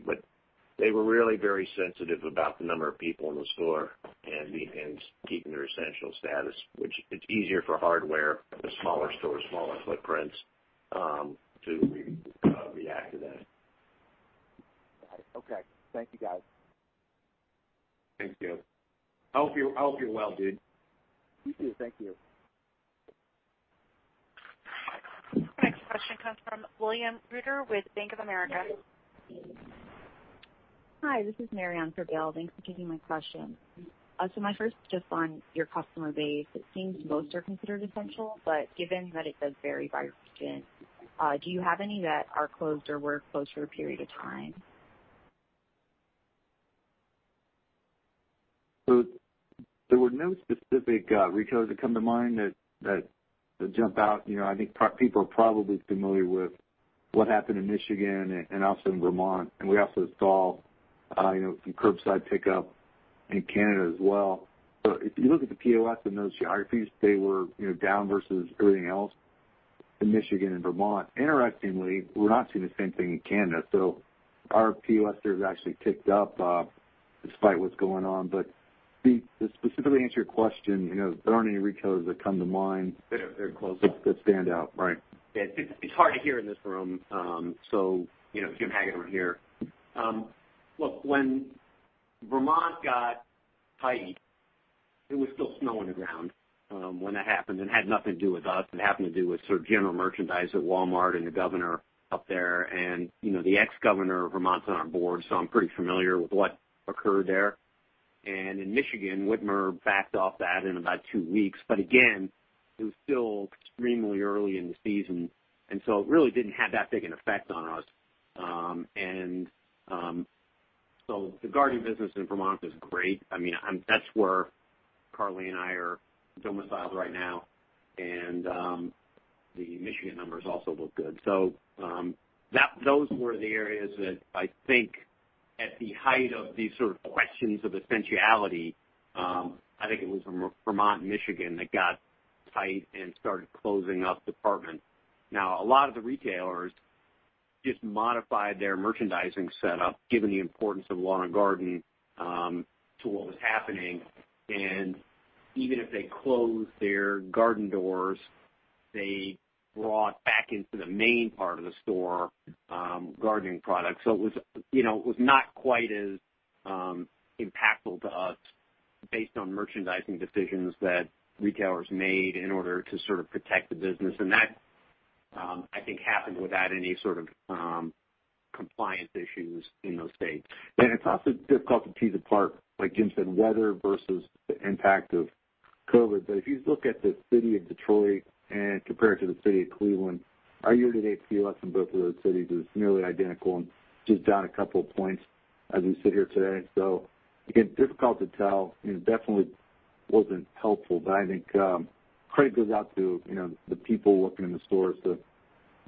They were really very sensitive about the number of people in the store and keeping their essential status, which it's easier for hardware, the smaller stores, smaller footprints, to react to that. Got it. Okay. Thank you, guys. Thank you. I hope you're well, dude. You, too. Thank you. Next question comes from William Reuter with Bank of America. Hi, this is Mary on for Will. Thanks for taking my question. My first just on your customer base. It seems most are considered essential, but given that it does vary by region, do you have any that are closed or were closed for a period of time? There were no specific retailers that come to mind that jump out. I think people are probably familiar with what happened in Michigan and also in Vermont, and we also saw curbside pickup in Canada as well. If you look at the POS in those geographies, they were down versus everything else in Michigan and Vermont. Interestingly, we're not seeing the same thing in Canada, so our POS there has actually ticked up despite what's going on. To specifically answer your question, there aren't any retailers that come to mind. That have closed up. that stand out. Right. Jim Hagedorn over here. Look, when Vermont got tight, there was still snow on the ground when that happened. It had nothing to do with us. It happened to do with general merchandise at Walmart and the governor up there and the ex-governor of Vermont's on our board. I'm pretty familiar with what occurred there. In Michigan, Whitmer backed off that in about two weeks. Again, it was still extremely early in the season. It really didn't have that big an effect on us. The Garden business in Vermont is great. That's where Carly and I are domiciled right now. The Michigan numbers also look good. Those were the areas that I think at the height of these sort of questions of essentiality, I think it was Vermont and Michigan that got tight and started closing up departments. A lot of the retailers just modified their merchandising setup given the importance of lawn and garden to what was happening. Even if they closed their garden doors, they brought back into the main part of the store gardening products. It was not quite as impactful to us based on merchandising decisions that retailers made in order to sort of protect the business. That I think happened without any sort of compliance issues in those states. It's also difficult to tease apart, like Jim said, weather versus the impact of COVID. If you look at the city of Detroit and compare it to the city of Cleveland, our year-to-date POS in both of those cities is nearly identical and just down a couple points as we sit here today. Again, difficult to tell, and it definitely wasn't helpful. I think credit goes out to the people working in the stores,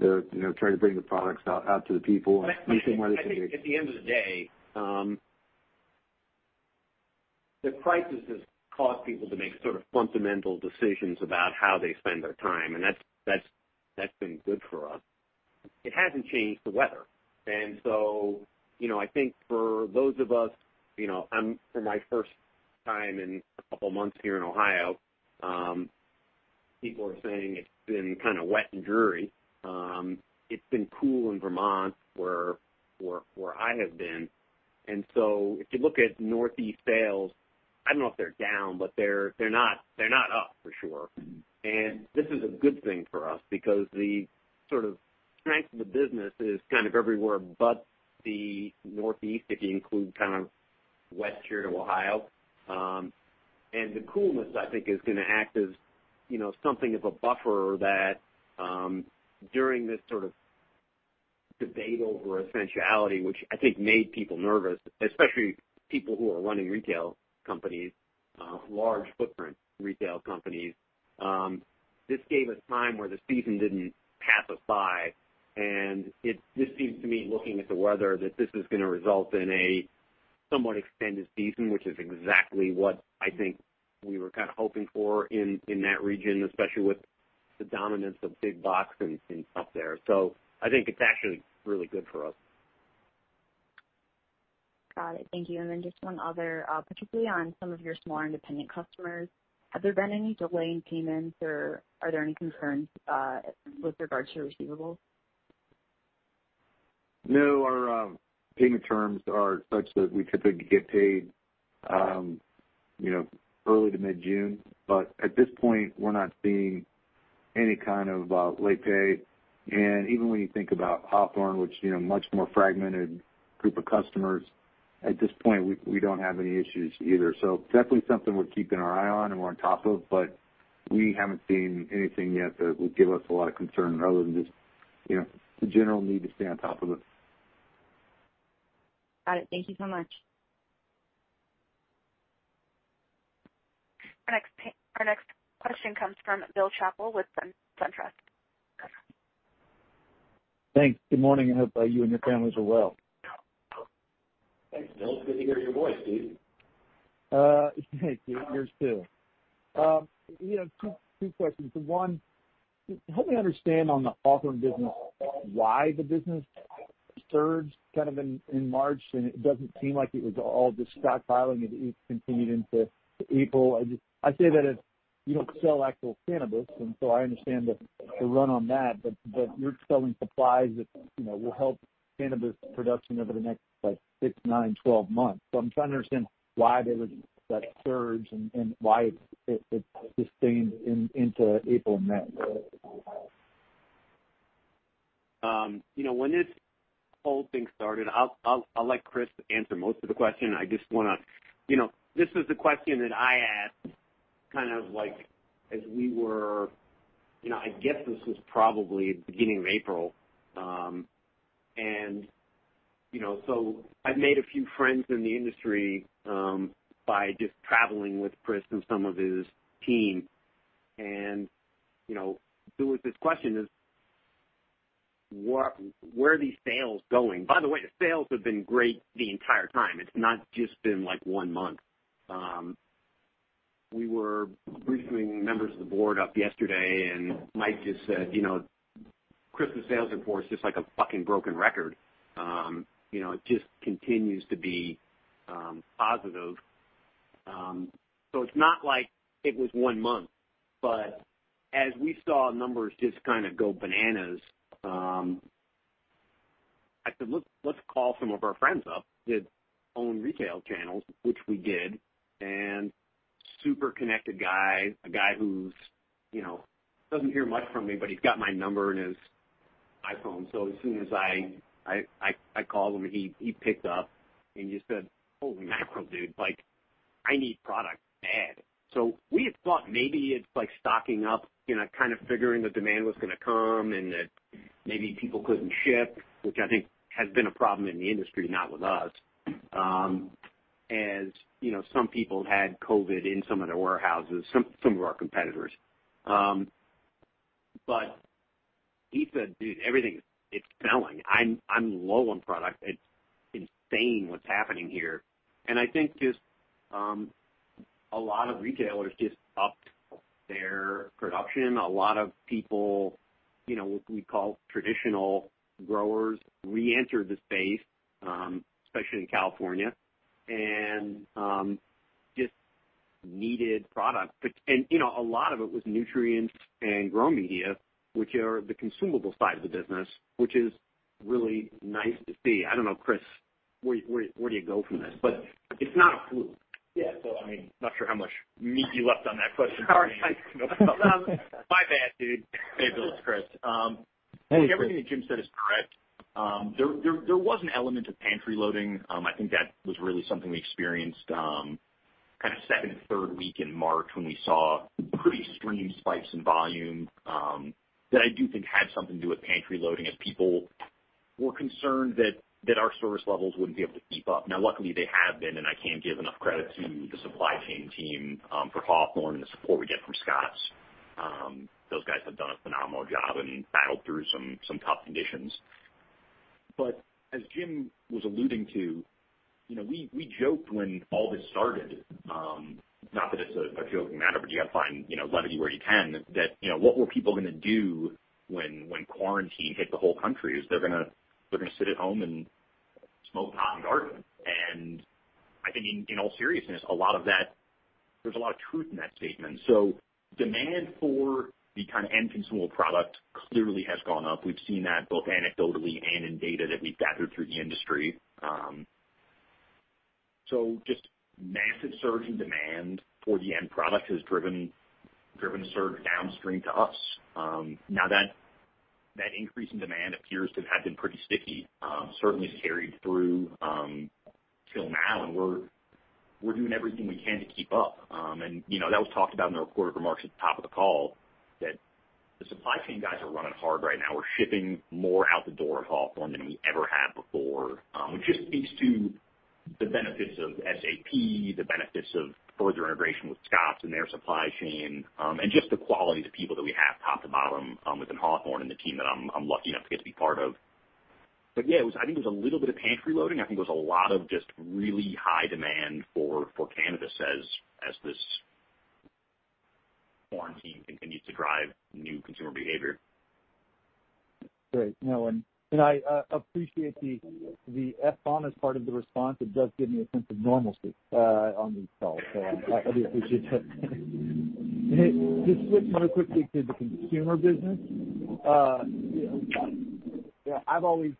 they're trying to bring the products out to the people and risking their lives. I think at the end of the day, the crisis has caused people to make sort of fundamental decisions about how they spend their time. That's been good for us. It hasn't changed the weather. I think for those of us, I'm for my first time in a couple months here in Ohio, people are saying it's been kind of wet and dreary. It's been cool in Vermont, where I have been. If you look at Northeast sales, I don't know if they're down, but they're not up for sure. This is a good thing for us because the sort of strength of the business is kind of everywhere but the Northeast, if you include kind of West here to Ohio. The coolness, I think is going to act as something of a buffer that, during this sort of debate over essentiality, which I think made people nervous, especially people who are running retail companies, large footprint retail companies. This gave us time where the season didn't pass us by. It just seems to me, looking at the weather, that this is going to result in a somewhat extended season, which is exactly what I think we were kind of hoping for in that region, especially with the dominance of big box up there. I think it's actually really good for us. Got it. Thank you. Then just one other, particularly on some of your smaller independent customers, have there been any delay in payments or are there any concerns with regards to receivables? Our payment terms are such that we typically get paid early to mid-June, but at this point, we're not seeing any kind of late pay. Even when you think about Hawthorne, which is a much more fragmented group of customers, at this point, we don't have any issues either. Definitely something we're keeping our eye on and we're on top of, but we haven't seen anything yet that would give us a lot of concern other than just the general need to stay on top of it. Got it. Thank you so much. Our next question comes from Bill Chappell with SunTrust. Thanks. Good morning. I hope you and your families are well. Thanks, Bill. It's good to hear your voice, dude. Thanks, dude. Yours too. Two questions. One, help me understand on the Hawthorne business, why the business surged kind of in March, and it doesn't seem like it was all just stockpiling, it continued into April. I say that as you don't sell actual cannabis, and so I understand the run on that, but you're selling supplies that will help cannabis production over the next six, nine, 12 months. I'm trying to understand why there was that surge and why it sustained into April and May. When this whole thing started, I'll let Chris answer most of the question. This is the question that I asked kind of like as we were I guess this was probably the beginning of April. I've made a few friends in the industry, by just traveling with Chris and some of his team, and there was this question is, where are these sales going? By the way, the sales have been great the entire time. It's not just been one month. We were briefing members of the board up yesterday, and Mike just said, "Chris, the sales report is just like a fucking broken record." It just continues to be positive. It's not like it was one month, but as we saw numbers just kind of go bananas, I said, "Let's call some of our friends up that own retail channels," which we did. Super connected guy, a guy who doesn't hear much from me, but he's got my number in his iPhone. As soon as I called him, he picked up and just said, "Holy mackerel, dude, I need product bad." We had thought maybe it's like stocking up, kind of figuring the demand was going to come and that maybe people couldn't ship, which I think has been a problem in the industry, not with us, as some people had COVID in some of their warehouses, some of our competitors. He said, "Dude, everything is selling. I'm low on product. It's insane what's happening here." I think just a lot of retailers just upped their production. A lot of people, we call traditional growers, reentered the space, especially in California, and just needed product. A lot of it was nutrients and grow media, which are the consumable side of the business, which is really nice to see. I don't know, Chris. Where do you go from this? It's not a fluke. Yeah. I'm not sure how much meat you left on that question for me. Sorry. My bad, dude. Hey, Bill, it's Chris. Hey. I think everything that Jim said is correct. There was an element of pantry loading. I think that was really something we experienced kind of second, third week in March, when we saw pretty extreme spikes in volume, that I do think had something to do with pantry loading, as people were concerned that our service levels wouldn't be able to keep up. Now, luckily, they have been, and I can't give enough credit to the supply chain team for Hawthorne and the support we get from Scotts. Those guys have done a phenomenal job and battled through some tough conditions. As Jim was alluding to, we joked when all this started, not that it's a joking matter, but you've got to find levity where you can, that what were people going to do when quarantine hit the whole country is they're going to sit at home and smoke pot and garden. I think in all seriousness, there's a lot of truth in that statement. Demand for the kind of end consumable product clearly has gone up. We've seen that both anecdotally and in data that we've gathered through the industry. Just massive surge in demand for the end product has driven surge downstream to us. That increase in demand appears to have been pretty sticky. Certainly, has carried through till now, and we're doing everything we can to keep up. That was talked about in the recorded remarks at the top of the call, that the supply chain guys are running hard right now. We're shipping more out the door at Hawthorne than we ever have before, which just speaks to the benefits of SAP, the benefits of further integration with Scotts and their supply chain, and just the quality of the people that we have top to bottom within Hawthorne and the team that I'm lucky enough to get to be part of. Yeah, I think it was a little bit of pantry loading. I think it was a lot of just really high demand for cannabis as this quarantine continues to drive new consumer behavior. Great. I appreciate the F-bomb as part of the response. It does give me a sense of normalcy on these calls, so I do appreciate that. Just switching really quickly to the consumer business. I've always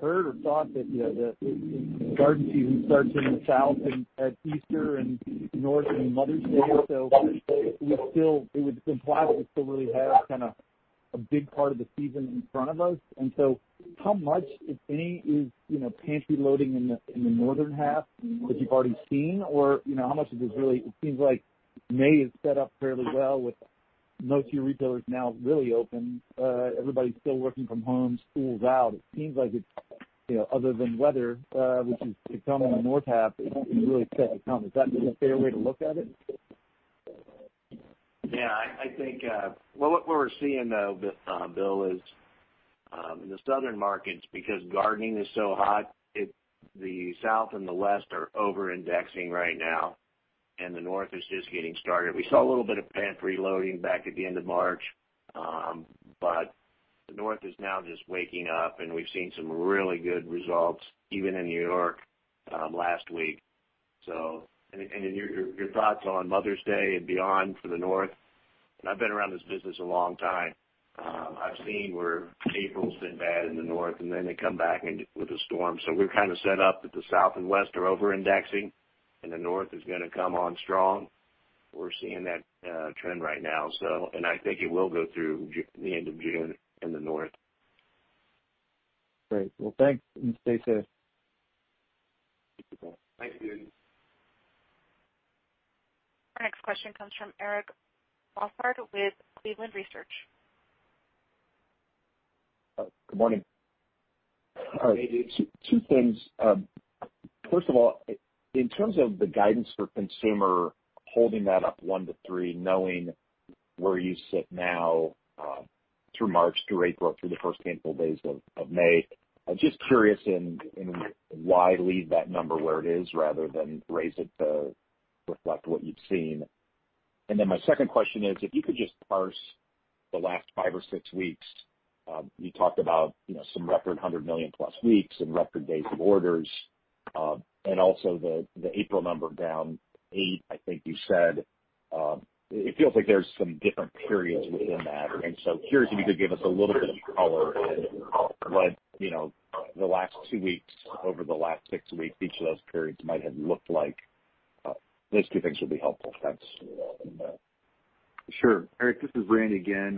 heard or thought that the garden season starts in the South at Easter and North in Mother's Day. It would imply that we still really have kind of a big part of the season in front of us. How much, if any, is pantry loading in the northern half that you've already seen? How much is this really, it seems like May is set up fairly well with most of your retailers now really open. Everybody's still working from home, school's out. It seems like it's, other than weather, which is to come in the north half, it really set to come. Is that a fair way to look at it? Yeah. Well, what we're seeing, though, Bill, is in the southern markets, because gardening is so hot, the South and the West are over-indexing right now, and the North is just getting started. We saw a little bit of pantry loading back at the end of March. The North is now just waking up, and we've seen some really good results, even in New York last week. Your thoughts on Mother's Day and beyond for the North, and I've been around this business a long time. I've seen where April's been bad in the North, and then they come back with a storm. We're kind of set up that the South and West are over-indexing, and the North is going to come on strong. We're seeing that trend right now. I think it will go through the end of June in the North. Great. Well, thanks, and stay safe. Thank you, Bill. Thanks, dude. Our next question comes from Eric Bosshard with Cleveland Research. Good morning. Hey. Two things. First of all, in terms of the guidance for Consumer, holding that up one to three, knowing where you sit now through March, through April, through the first handful days of May, just curious in why leave that number where it is rather than raise it to reflect what you've seen. My second question is, if you could just parse the last five or six weeks. You talked about some record 100+ million weeks and record days of orders. Also, the April number down 8%, I think you said. It feels like there's some different periods within that. Curious if you could give us a little bit of color as to what the last two weeks over the last six weeks, each of those periods might have looked like. Those two things would be helpful. Thanks. Sure. Eric, this is Randy again.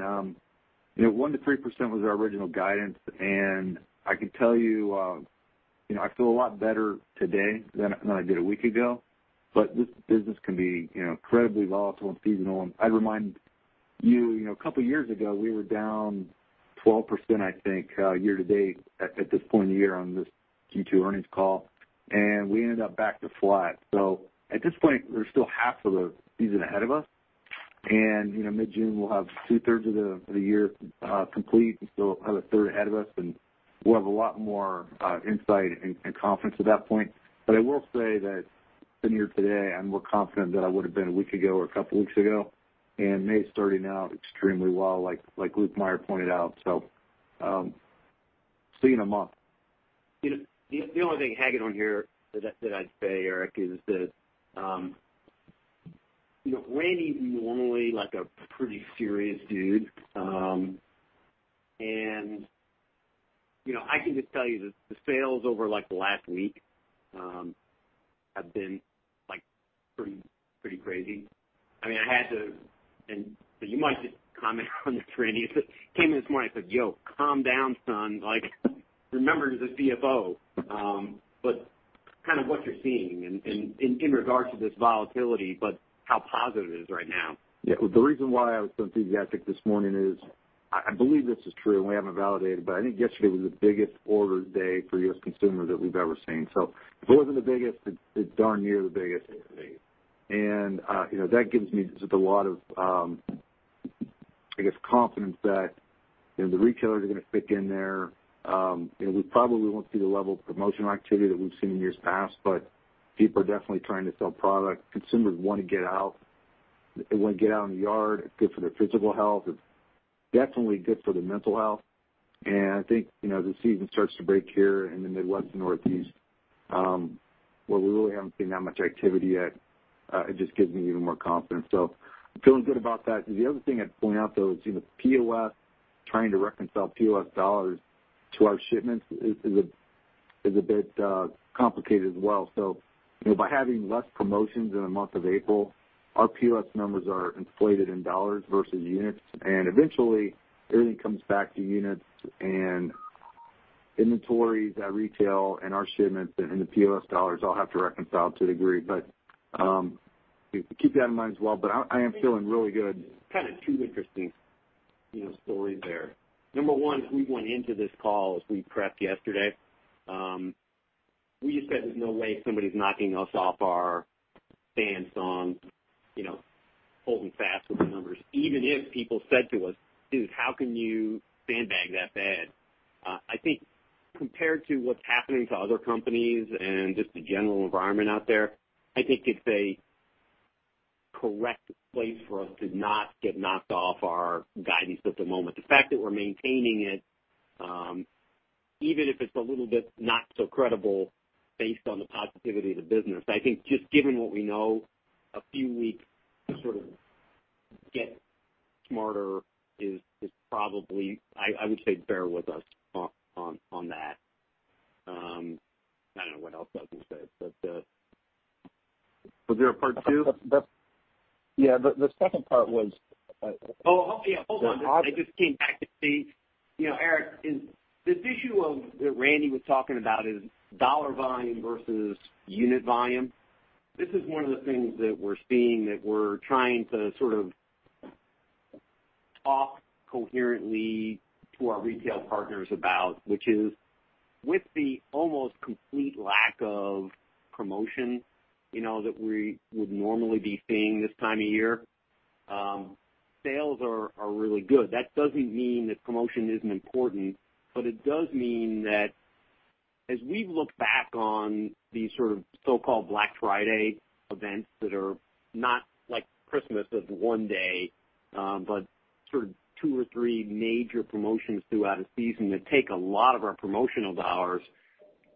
1%-3% was our original guidance. I can tell you I feel a lot better today than I did a week ago. This business can be incredibly volatile and seasonal. I'd remind you, a couple of years ago, we were down 12%, I think, year to date at this point in the year on this Q2 earnings call. We ended up back to flat. At this point, there's still half of the season ahead of us. Mid-June, we'll have two-thirds of the year complete. We still have a third ahead of us. We'll have a lot more insight and confidence at that point. I will say that sitting here today, I'm more confident than I would have been a week ago or a couple of weeks ago, and May is starting out extremely well, like Mike Lukemire pointed out. See you in a month. The only thing to hang it on here that I'd say, Eric. Randy's normally a pretty serious dude. I can just tell you that the sales over the last week have been pretty crazy. You might just comment on this, Randy, I came in this morning, I said, "Yo, calm down, son. Remember you're the CFO." What you're seeing in regards to this volatility, but how positive it is right now. Yeah. Well, the reason why I was so enthusiastic this morning is, I believe this is true, and we haven't validated it, but I think yesterday was the biggest orders day for U.S. Consumer that we've ever seen. If it wasn't the biggest, it's darn near the biggest. That gives me just a lot of confidence that the retailers are going to stick in there. We probably won't see the level of promotional activity that we've seen in years past, but people are definitely trying to sell product. Consumers want to get out. They want to get out in the yard. It's good for their physical health. It's definitely good for their mental health. I think, the season starts to break here in the Midwest and Northeast, where we really haven't seen that much activity yet. It just gives me even more confidence. I'm feeling good about that. The other thing I'd point out, though, is POS, trying to reconcile POS dollars to our shipments is a bit complicated as well. By having less promotions in the month of April, our POS numbers are inflated in dollars versus units, and eventually everything comes back to units and inventories at retail and our shipments and the POS dollars all have to reconcile to a degree. Keep that in mind as well. I am feeling really good. Kind of two interesting stories there. Number two, as we went into this call, as we prepped yesterday, we just said there's no way somebody's knocking us off our stance on holding fast with the numbers, even if people said to us, "Dude, how can you sandbag that bad?" I think compared to what's happening to other companies and just the general environment out there, I think it's a correct place for us to not get knocked off our guidance at the moment. The fact that we're maintaining it, even if it's a little bit not so credible based on the positivity of the business, I think just given what we know, a few weeks to sort of get smarter is probably I would say bear with us on that. I don't know what else I was going to say. Was there a part two? Yeah, hold on. I just came back to see. Eric, this issue that Randy was talking about is dollar volume versus unit volume. This is one of the things that we're seeing that we're trying to sort of talk coherently to our retail partners about, which is with the almost complete lack of promotion that we would normally be seeing this time of year. Sales are really good. That doesn't mean that promotion isn't important, but it does mean that as we look back on these sort of so-called Black Friday events that are not like Christmas as one day, but sort of two or three major promotions throughout a season that take a lot of our promotional dollars.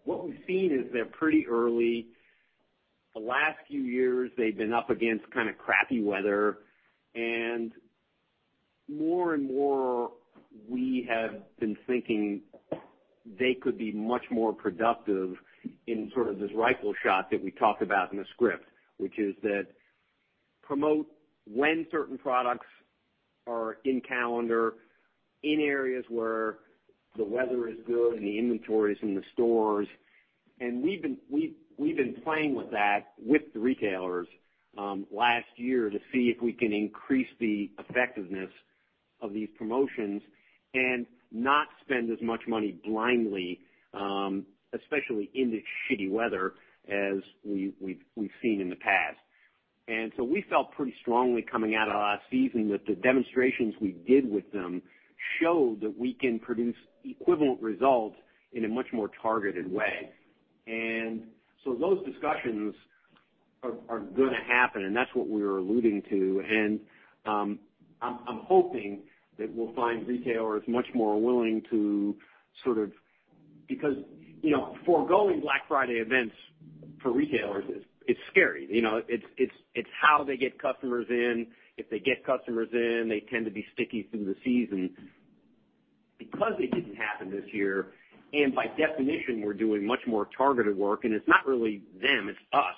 What we've seen is they're pretty early. The last few years, they've been up against kind of crappy weather. More and more we have been thinking they could be much more productive in sort of this rifle shot that we talked about in the script, which is that promote when certain products are in calendar in areas where the weather is good and the inventory's in the stores. We've been playing with that with the retailers last year to see if we can increase the effectiveness of these promotions and not spend as much money blindly, especially in the shitty weather as we've seen in the past. We felt pretty strongly coming out of last season that the demonstrations we did with them show that we can produce equivalent results in a much more targeted way. Those discussions are going to happen. That's what we were alluding to. I'm hoping that we'll find retailers much more willing to sort of. Foregoing Black Friday events for retailers, it's scary. It's how they get customers in. If they get customers in, they tend to be sticky through the season. It didn't happen this year. By definition, we're doing much more targeted work. It's not really them, it's us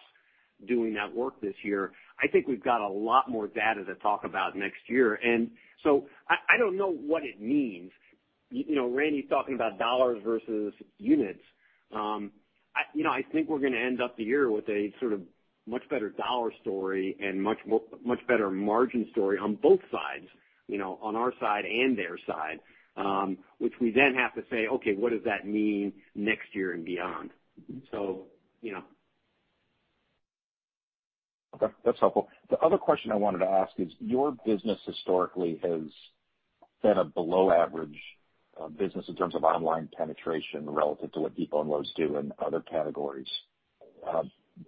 doing that work this year. I think we've got a lot more data to talk about next year. I don't know what it means. Randy's talking about dollars versus units. I think we're going to end up the year with a sort of much better dollar story and much better margin story on both sides, on our side and their side, which we then have to say, "Okay, what does that mean next year and beyond?" You know. Okay, that's helpful. The other question I wanted to ask is, your business historically has been a below average business in terms of online penetration relative to what Depot and Lowe's do and other categories.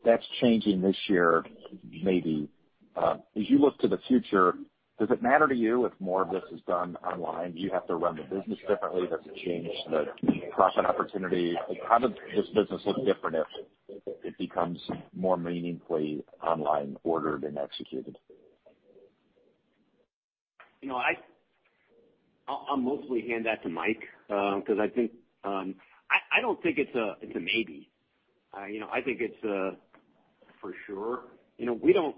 That's changing this year, maybe. As you look to the future, does it matter to you if more of this is done online? Do you have to run the business differently? Does it change the profit opportunity? How does this business look different if it becomes more meaningfully online ordered and executed? I'll mostly hand that to Mike. I don't think it's a maybe. I think it's a for sure. We don't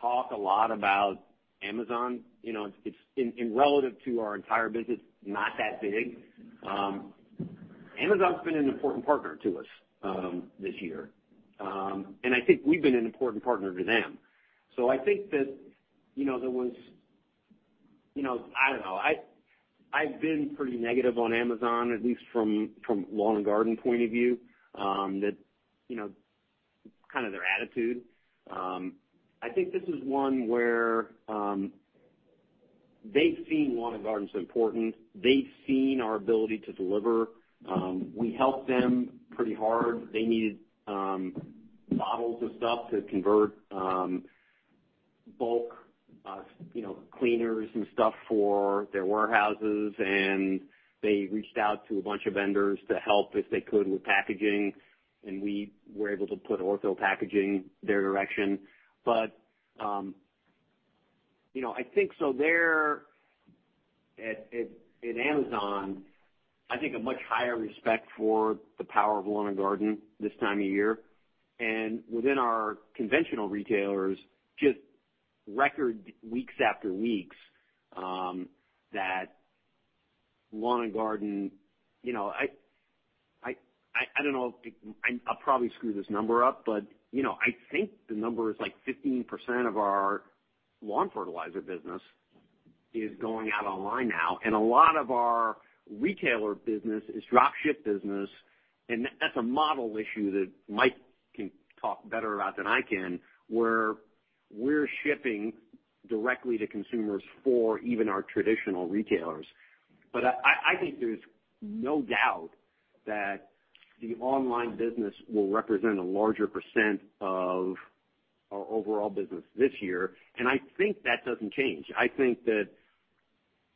talk a lot about Amazon. In relative to our entire business, not that big. Amazon's been an important partner to us this year, and I think we've been an important partner to them. I think that there was I don't know. I've been pretty negative on Amazon, at least from lawn and garden point of view, kind of their attitude. I think this is one where they've seen lawn and garden as important. They've seen our ability to deliver. We helped them pretty hard. They needed bottles and stuff to convert bulk cleaners and stuff for their warehouses, and they reached out to a bunch of vendors to help if they could with packaging, and we were able to put Ortho packaging their direction. I think they're, at Amazon, I think a much higher respect for the power of lawn and garden this time of year, and within our conventional retailers, just record weeks after weeks that lawn and garden. I don't know, I'll probably screw this number up, I think the number is like 15% of our lawn fertilizer business is going out online now, and a lot of our retailer business is drop ship business, and that's a model issue that Mike can talk better about than I can, where we're shipping directly to consumers for even our traditional retailers. I think there's no doubt that the online business will represent a larger percent of our overall business this year, and I think that doesn't change. I think that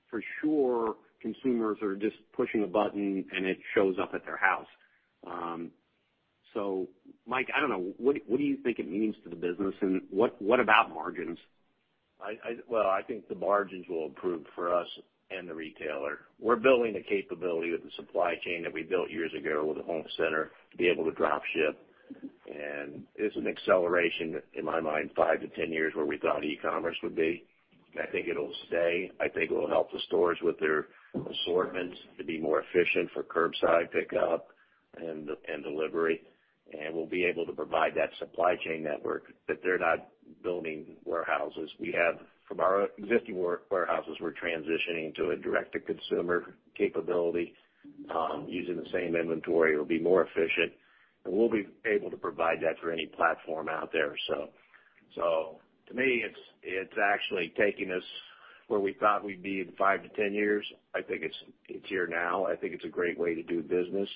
for sure, consumers are just pushing a button, and it shows up at their house. Mike, I don't know, what do you think it means to the business, and what about margins? Well, I think the margins will improve for us and the retailer. We're building the capability with the supply chain that we built years ago with the home center to be able to drop ship. It's an acceleration, in my mind, 5-10 years where we thought e-commerce would be. I think it'll stay. I think it'll help the stores with their assortments to be more efficient for curbside pickup and delivery. We'll be able to provide that supply chain network that they're not building warehouses. We have from our existing warehouses, we're transitioning to a direct-to-consumer capability using the same inventory. It'll be more efficient. We'll be able to provide that for any platform out there. To me, it's actually taking us where we thought we'd be in 5-10 years. I think it's here now. I think it's a great way to do business,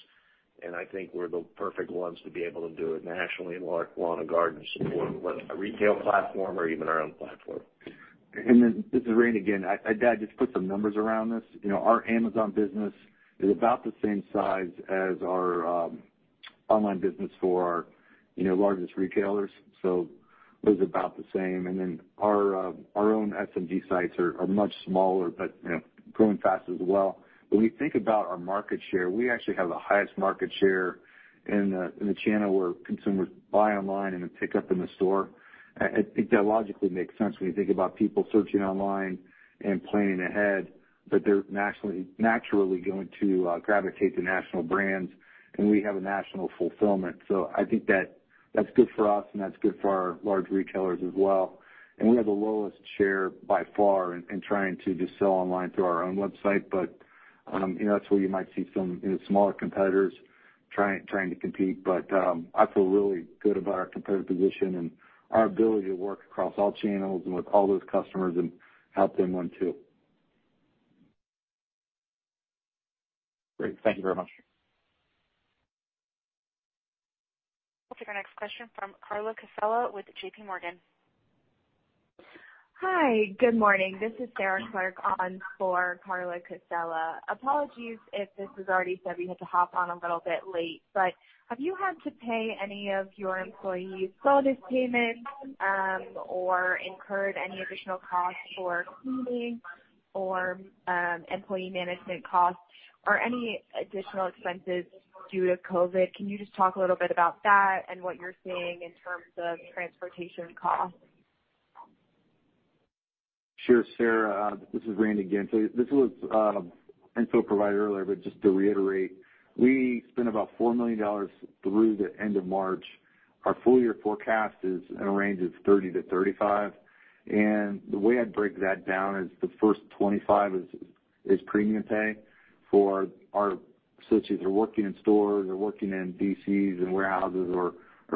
and I think we're the perfect ones to be able to do it nationally in lawn and garden support, whether a retail platform or even our own platform. This is Randy again. I'd just put some numbers around this. Our Amazon business is about the same size as our online business for our largest retailers. It was about the same. Our own SMG sites are much smaller, but growing fast as well. When we think about our market share, we actually have the highest market share in the channel where consumers buy online and then pick up in the store. I think that logically makes sense when you think about people searching online and planning ahead, but they're naturally going to gravitate to national brands, and we have a national fulfillment. I think that's good for us, and that's good for our large retailers as well. We have the lowest share by far in trying to just sell online through our own website. That's where you might see some smaller competitors trying to compete. I feel really good about our competitive position and our ability to work across all channels and with all those customers and help them win too. Great. Thank you very much. We'll take our next question from Carla Casella with JPMorgan. Hi. Good morning. This is Sarah Clark on for Carla Casella. Apologies if this was already said, we had to hop on a little bit late. Have you had to pay any of your employees' bonus payments or incurred any additional costs for cleaning or employee management costs or any additional expenses due to COVID? Can you just talk a little bit about that and what you're seeing in terms of transportation costs? Sure, Sarah. This is Randy again. This was info provided earlier, but just to reiterate, we spent about $4 million through the end of March. Our full year forecast is in a range of $30 million-$35 million. The way I'd break that down is the first $25 million is premium pay for our associates who are working in stores or working in DCs and warehouses or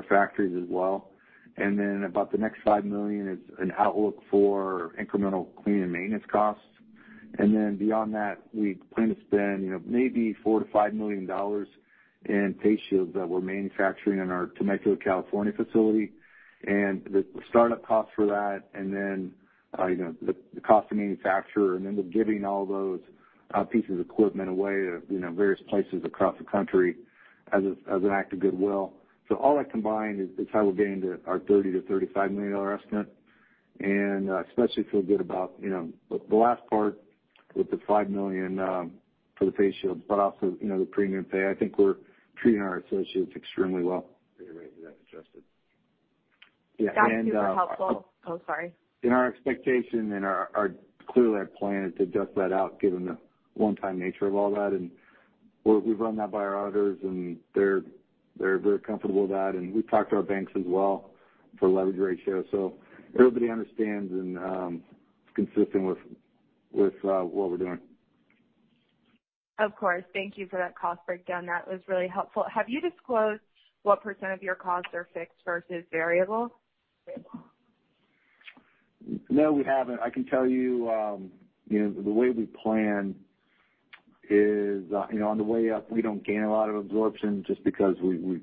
factories as well. About the next $5 million is an outlook for incremental cleaning and maintenance costs. Beyond that, we plan to spend maybe $4 million-$5 million in face shields that we're manufacturing in our Temecula, California facility and the startup costs for that, and the cost to manufacture and the giving all those pieces of equipment away to various places across the country as an act of goodwill. All that combined is how we're getting to our $30 million-$35 million estimate. I especially feel good about the last part with the $5 million for the face shields, but also the premium pay. I think we're treating our associates extremely well. That's super helpful. Oh, sorry. Our expectation and clearly our plan is to dust that out given the one-time nature of all that. We've run that by our auditors, and they're very comfortable with that. We've talked to our banks as well for leverage ratio. Everybody understands and it's consistent with what we're doing. Of course. Thank you for that cost breakdown. That was really helpful. Have you disclosed what percent of your costs are fixed versus variable? No, we haven't. I can tell you, the way we plan is, on the way up, we don't gain a lot of absorption just because we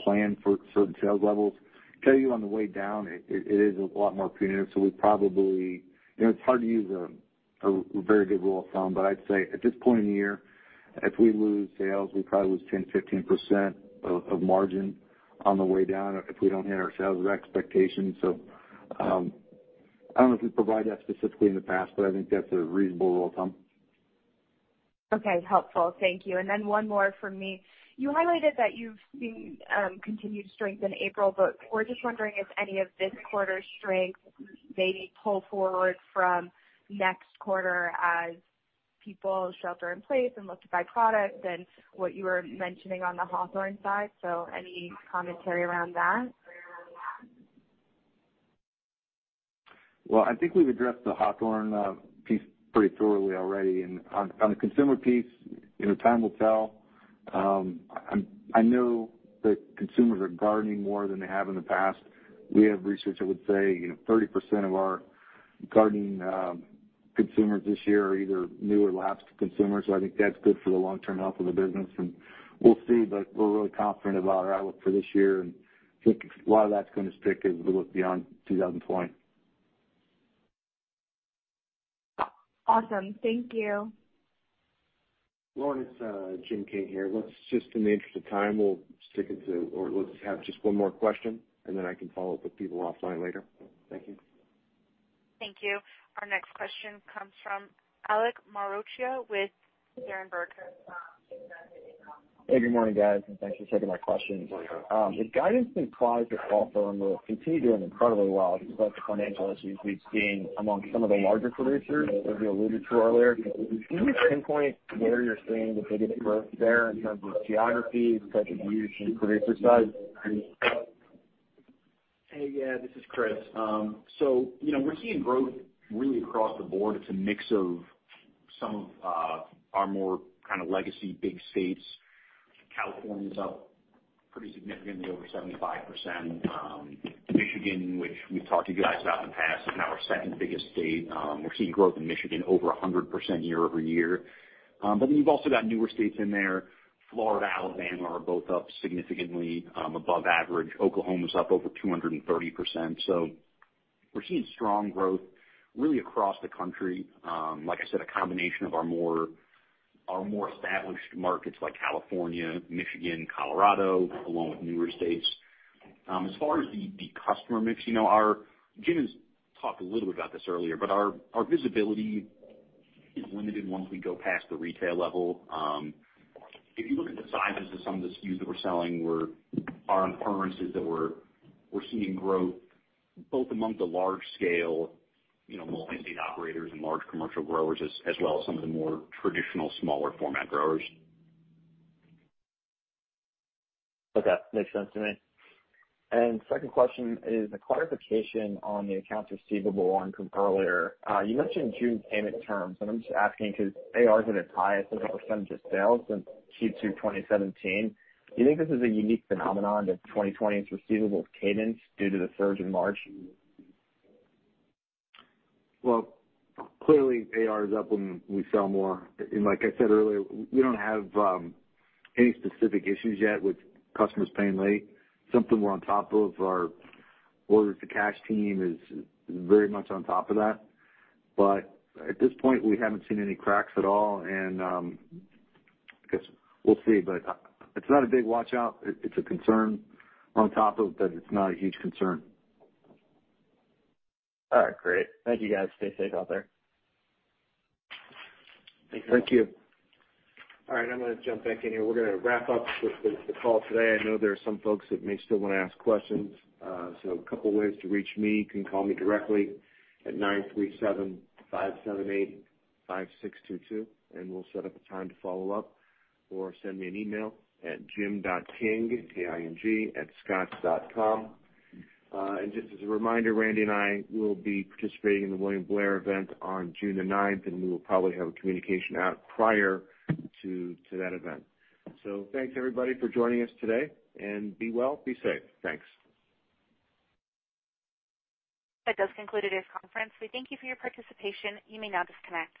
plan for certain sales levels. Tell you on the way down, it is a lot more punitive. It's hard to use a very good rule of thumb, but I'd say at this point in the year, if we lose sales, we probably lose 10%-15% of margin on the way down if we don't hit our sales expectations. I don't know if we've provided that specifically in the past, but I think that's a reasonable rule of thumb. Okay, helpful. Thank you. One more from me. You highlighted that you've seen continued strength in April, we're just wondering if any of this quarter's strength may be pulled forward from next quarter as people shelter in place and look to buy product and what you were mentioning on the Hawthorne side. Any commentary around that? Well, I think we've addressed the Hawthorne piece pretty thoroughly already. On the consumer piece, time will tell. I know that consumers are gardening more than they have in the past. We have research that would say 30% of our gardening consumers this year are either new or lapsed consumers. I think that's good for the long-term health of the business, and we'll see, but we're really confident about our outlook for this year, and I think a lot of that's going to stick as we look beyond 2020. Awesome. Thank you. Lauren, it's Jim King here. In the interest of time, let's have just one more question, then I can follow up with people offline later. Thank you. Thank you. Our next question comes from Alex Maroccia with Berenberg. Hey, good morning, guys, and thanks for taking my question. The guidance implies that Hawthorne will continue doing incredibly well despite the financial issues we've seen among some of the larger producers as you alluded to earlier. Can you pinpoint where you're seeing the biggest growth there in terms of geography, type of use, and producer size? Hey. Yeah, this is Chris. We're seeing growth really across the board. It's a mix of some of our more kind of legacy big states. California is up pretty significantly over 75%. Michigan, which we've talked to you guys about in the past, is now our second biggest state. We're seeing growth in Michigan over 100% year-over-year. You've also got newer states in there. Florida, Alabama are both up significantly above average. Oklahoma's up over 230%. We're seeing strong growth really across the country. Like I said, a combination of our more established markets like California, Michigan, Colorado, along with newer states. As far as the customer mix, Jim has talked a little bit about this earlier, but our visibility is limited once we go past the retail level. If you look at the sizes of some of the SKUs that we're selling, our inference is that we're seeing growth both among the large scale multi-state operators and large commercial growers, as well as some of the more traditional smaller format growers. Okay. Makes sense to me. Second question is a clarification on the accounts receivable one from earlier. You mentioned June payment terms, and I'm just asking because AR at a tie, I think it was similar to sales since Q2 2017. Do you think this is a unique phenomenon that 2020's receivables cadence due to the surge in March? Well, clearly AR is up when we sell more. Like I said earlier, we don't have any specific issues yet with customers paying late. Something we're on top of. Our orders to cash team is very much on top of that. At this point, we haven't seen any cracks at all, and I guess we'll see. It's not a big watch-out. It's a concern on top of, but it's not a huge concern. All right, great. Thank you, guys. Stay safe out there. Thank you. All right. I'm going to jump back in here. We're going to wrap up the call today. I know there are some folks that may still want to ask questions. A couple ways to reach me. You can call me directly at 937-578-5622, and we'll set up a time to follow up, or send me an email at jim.king, K-I-N-G, @scotts.com. Just as a reminder, Randy and I will be participating in the William Blair event on June the 9th, and we will probably have a communication out prior to that event. Thanks everybody for joining us today, and be well, be safe. Thanks. That does conclude today's conference. We thank you for your participation. You may now disconnect.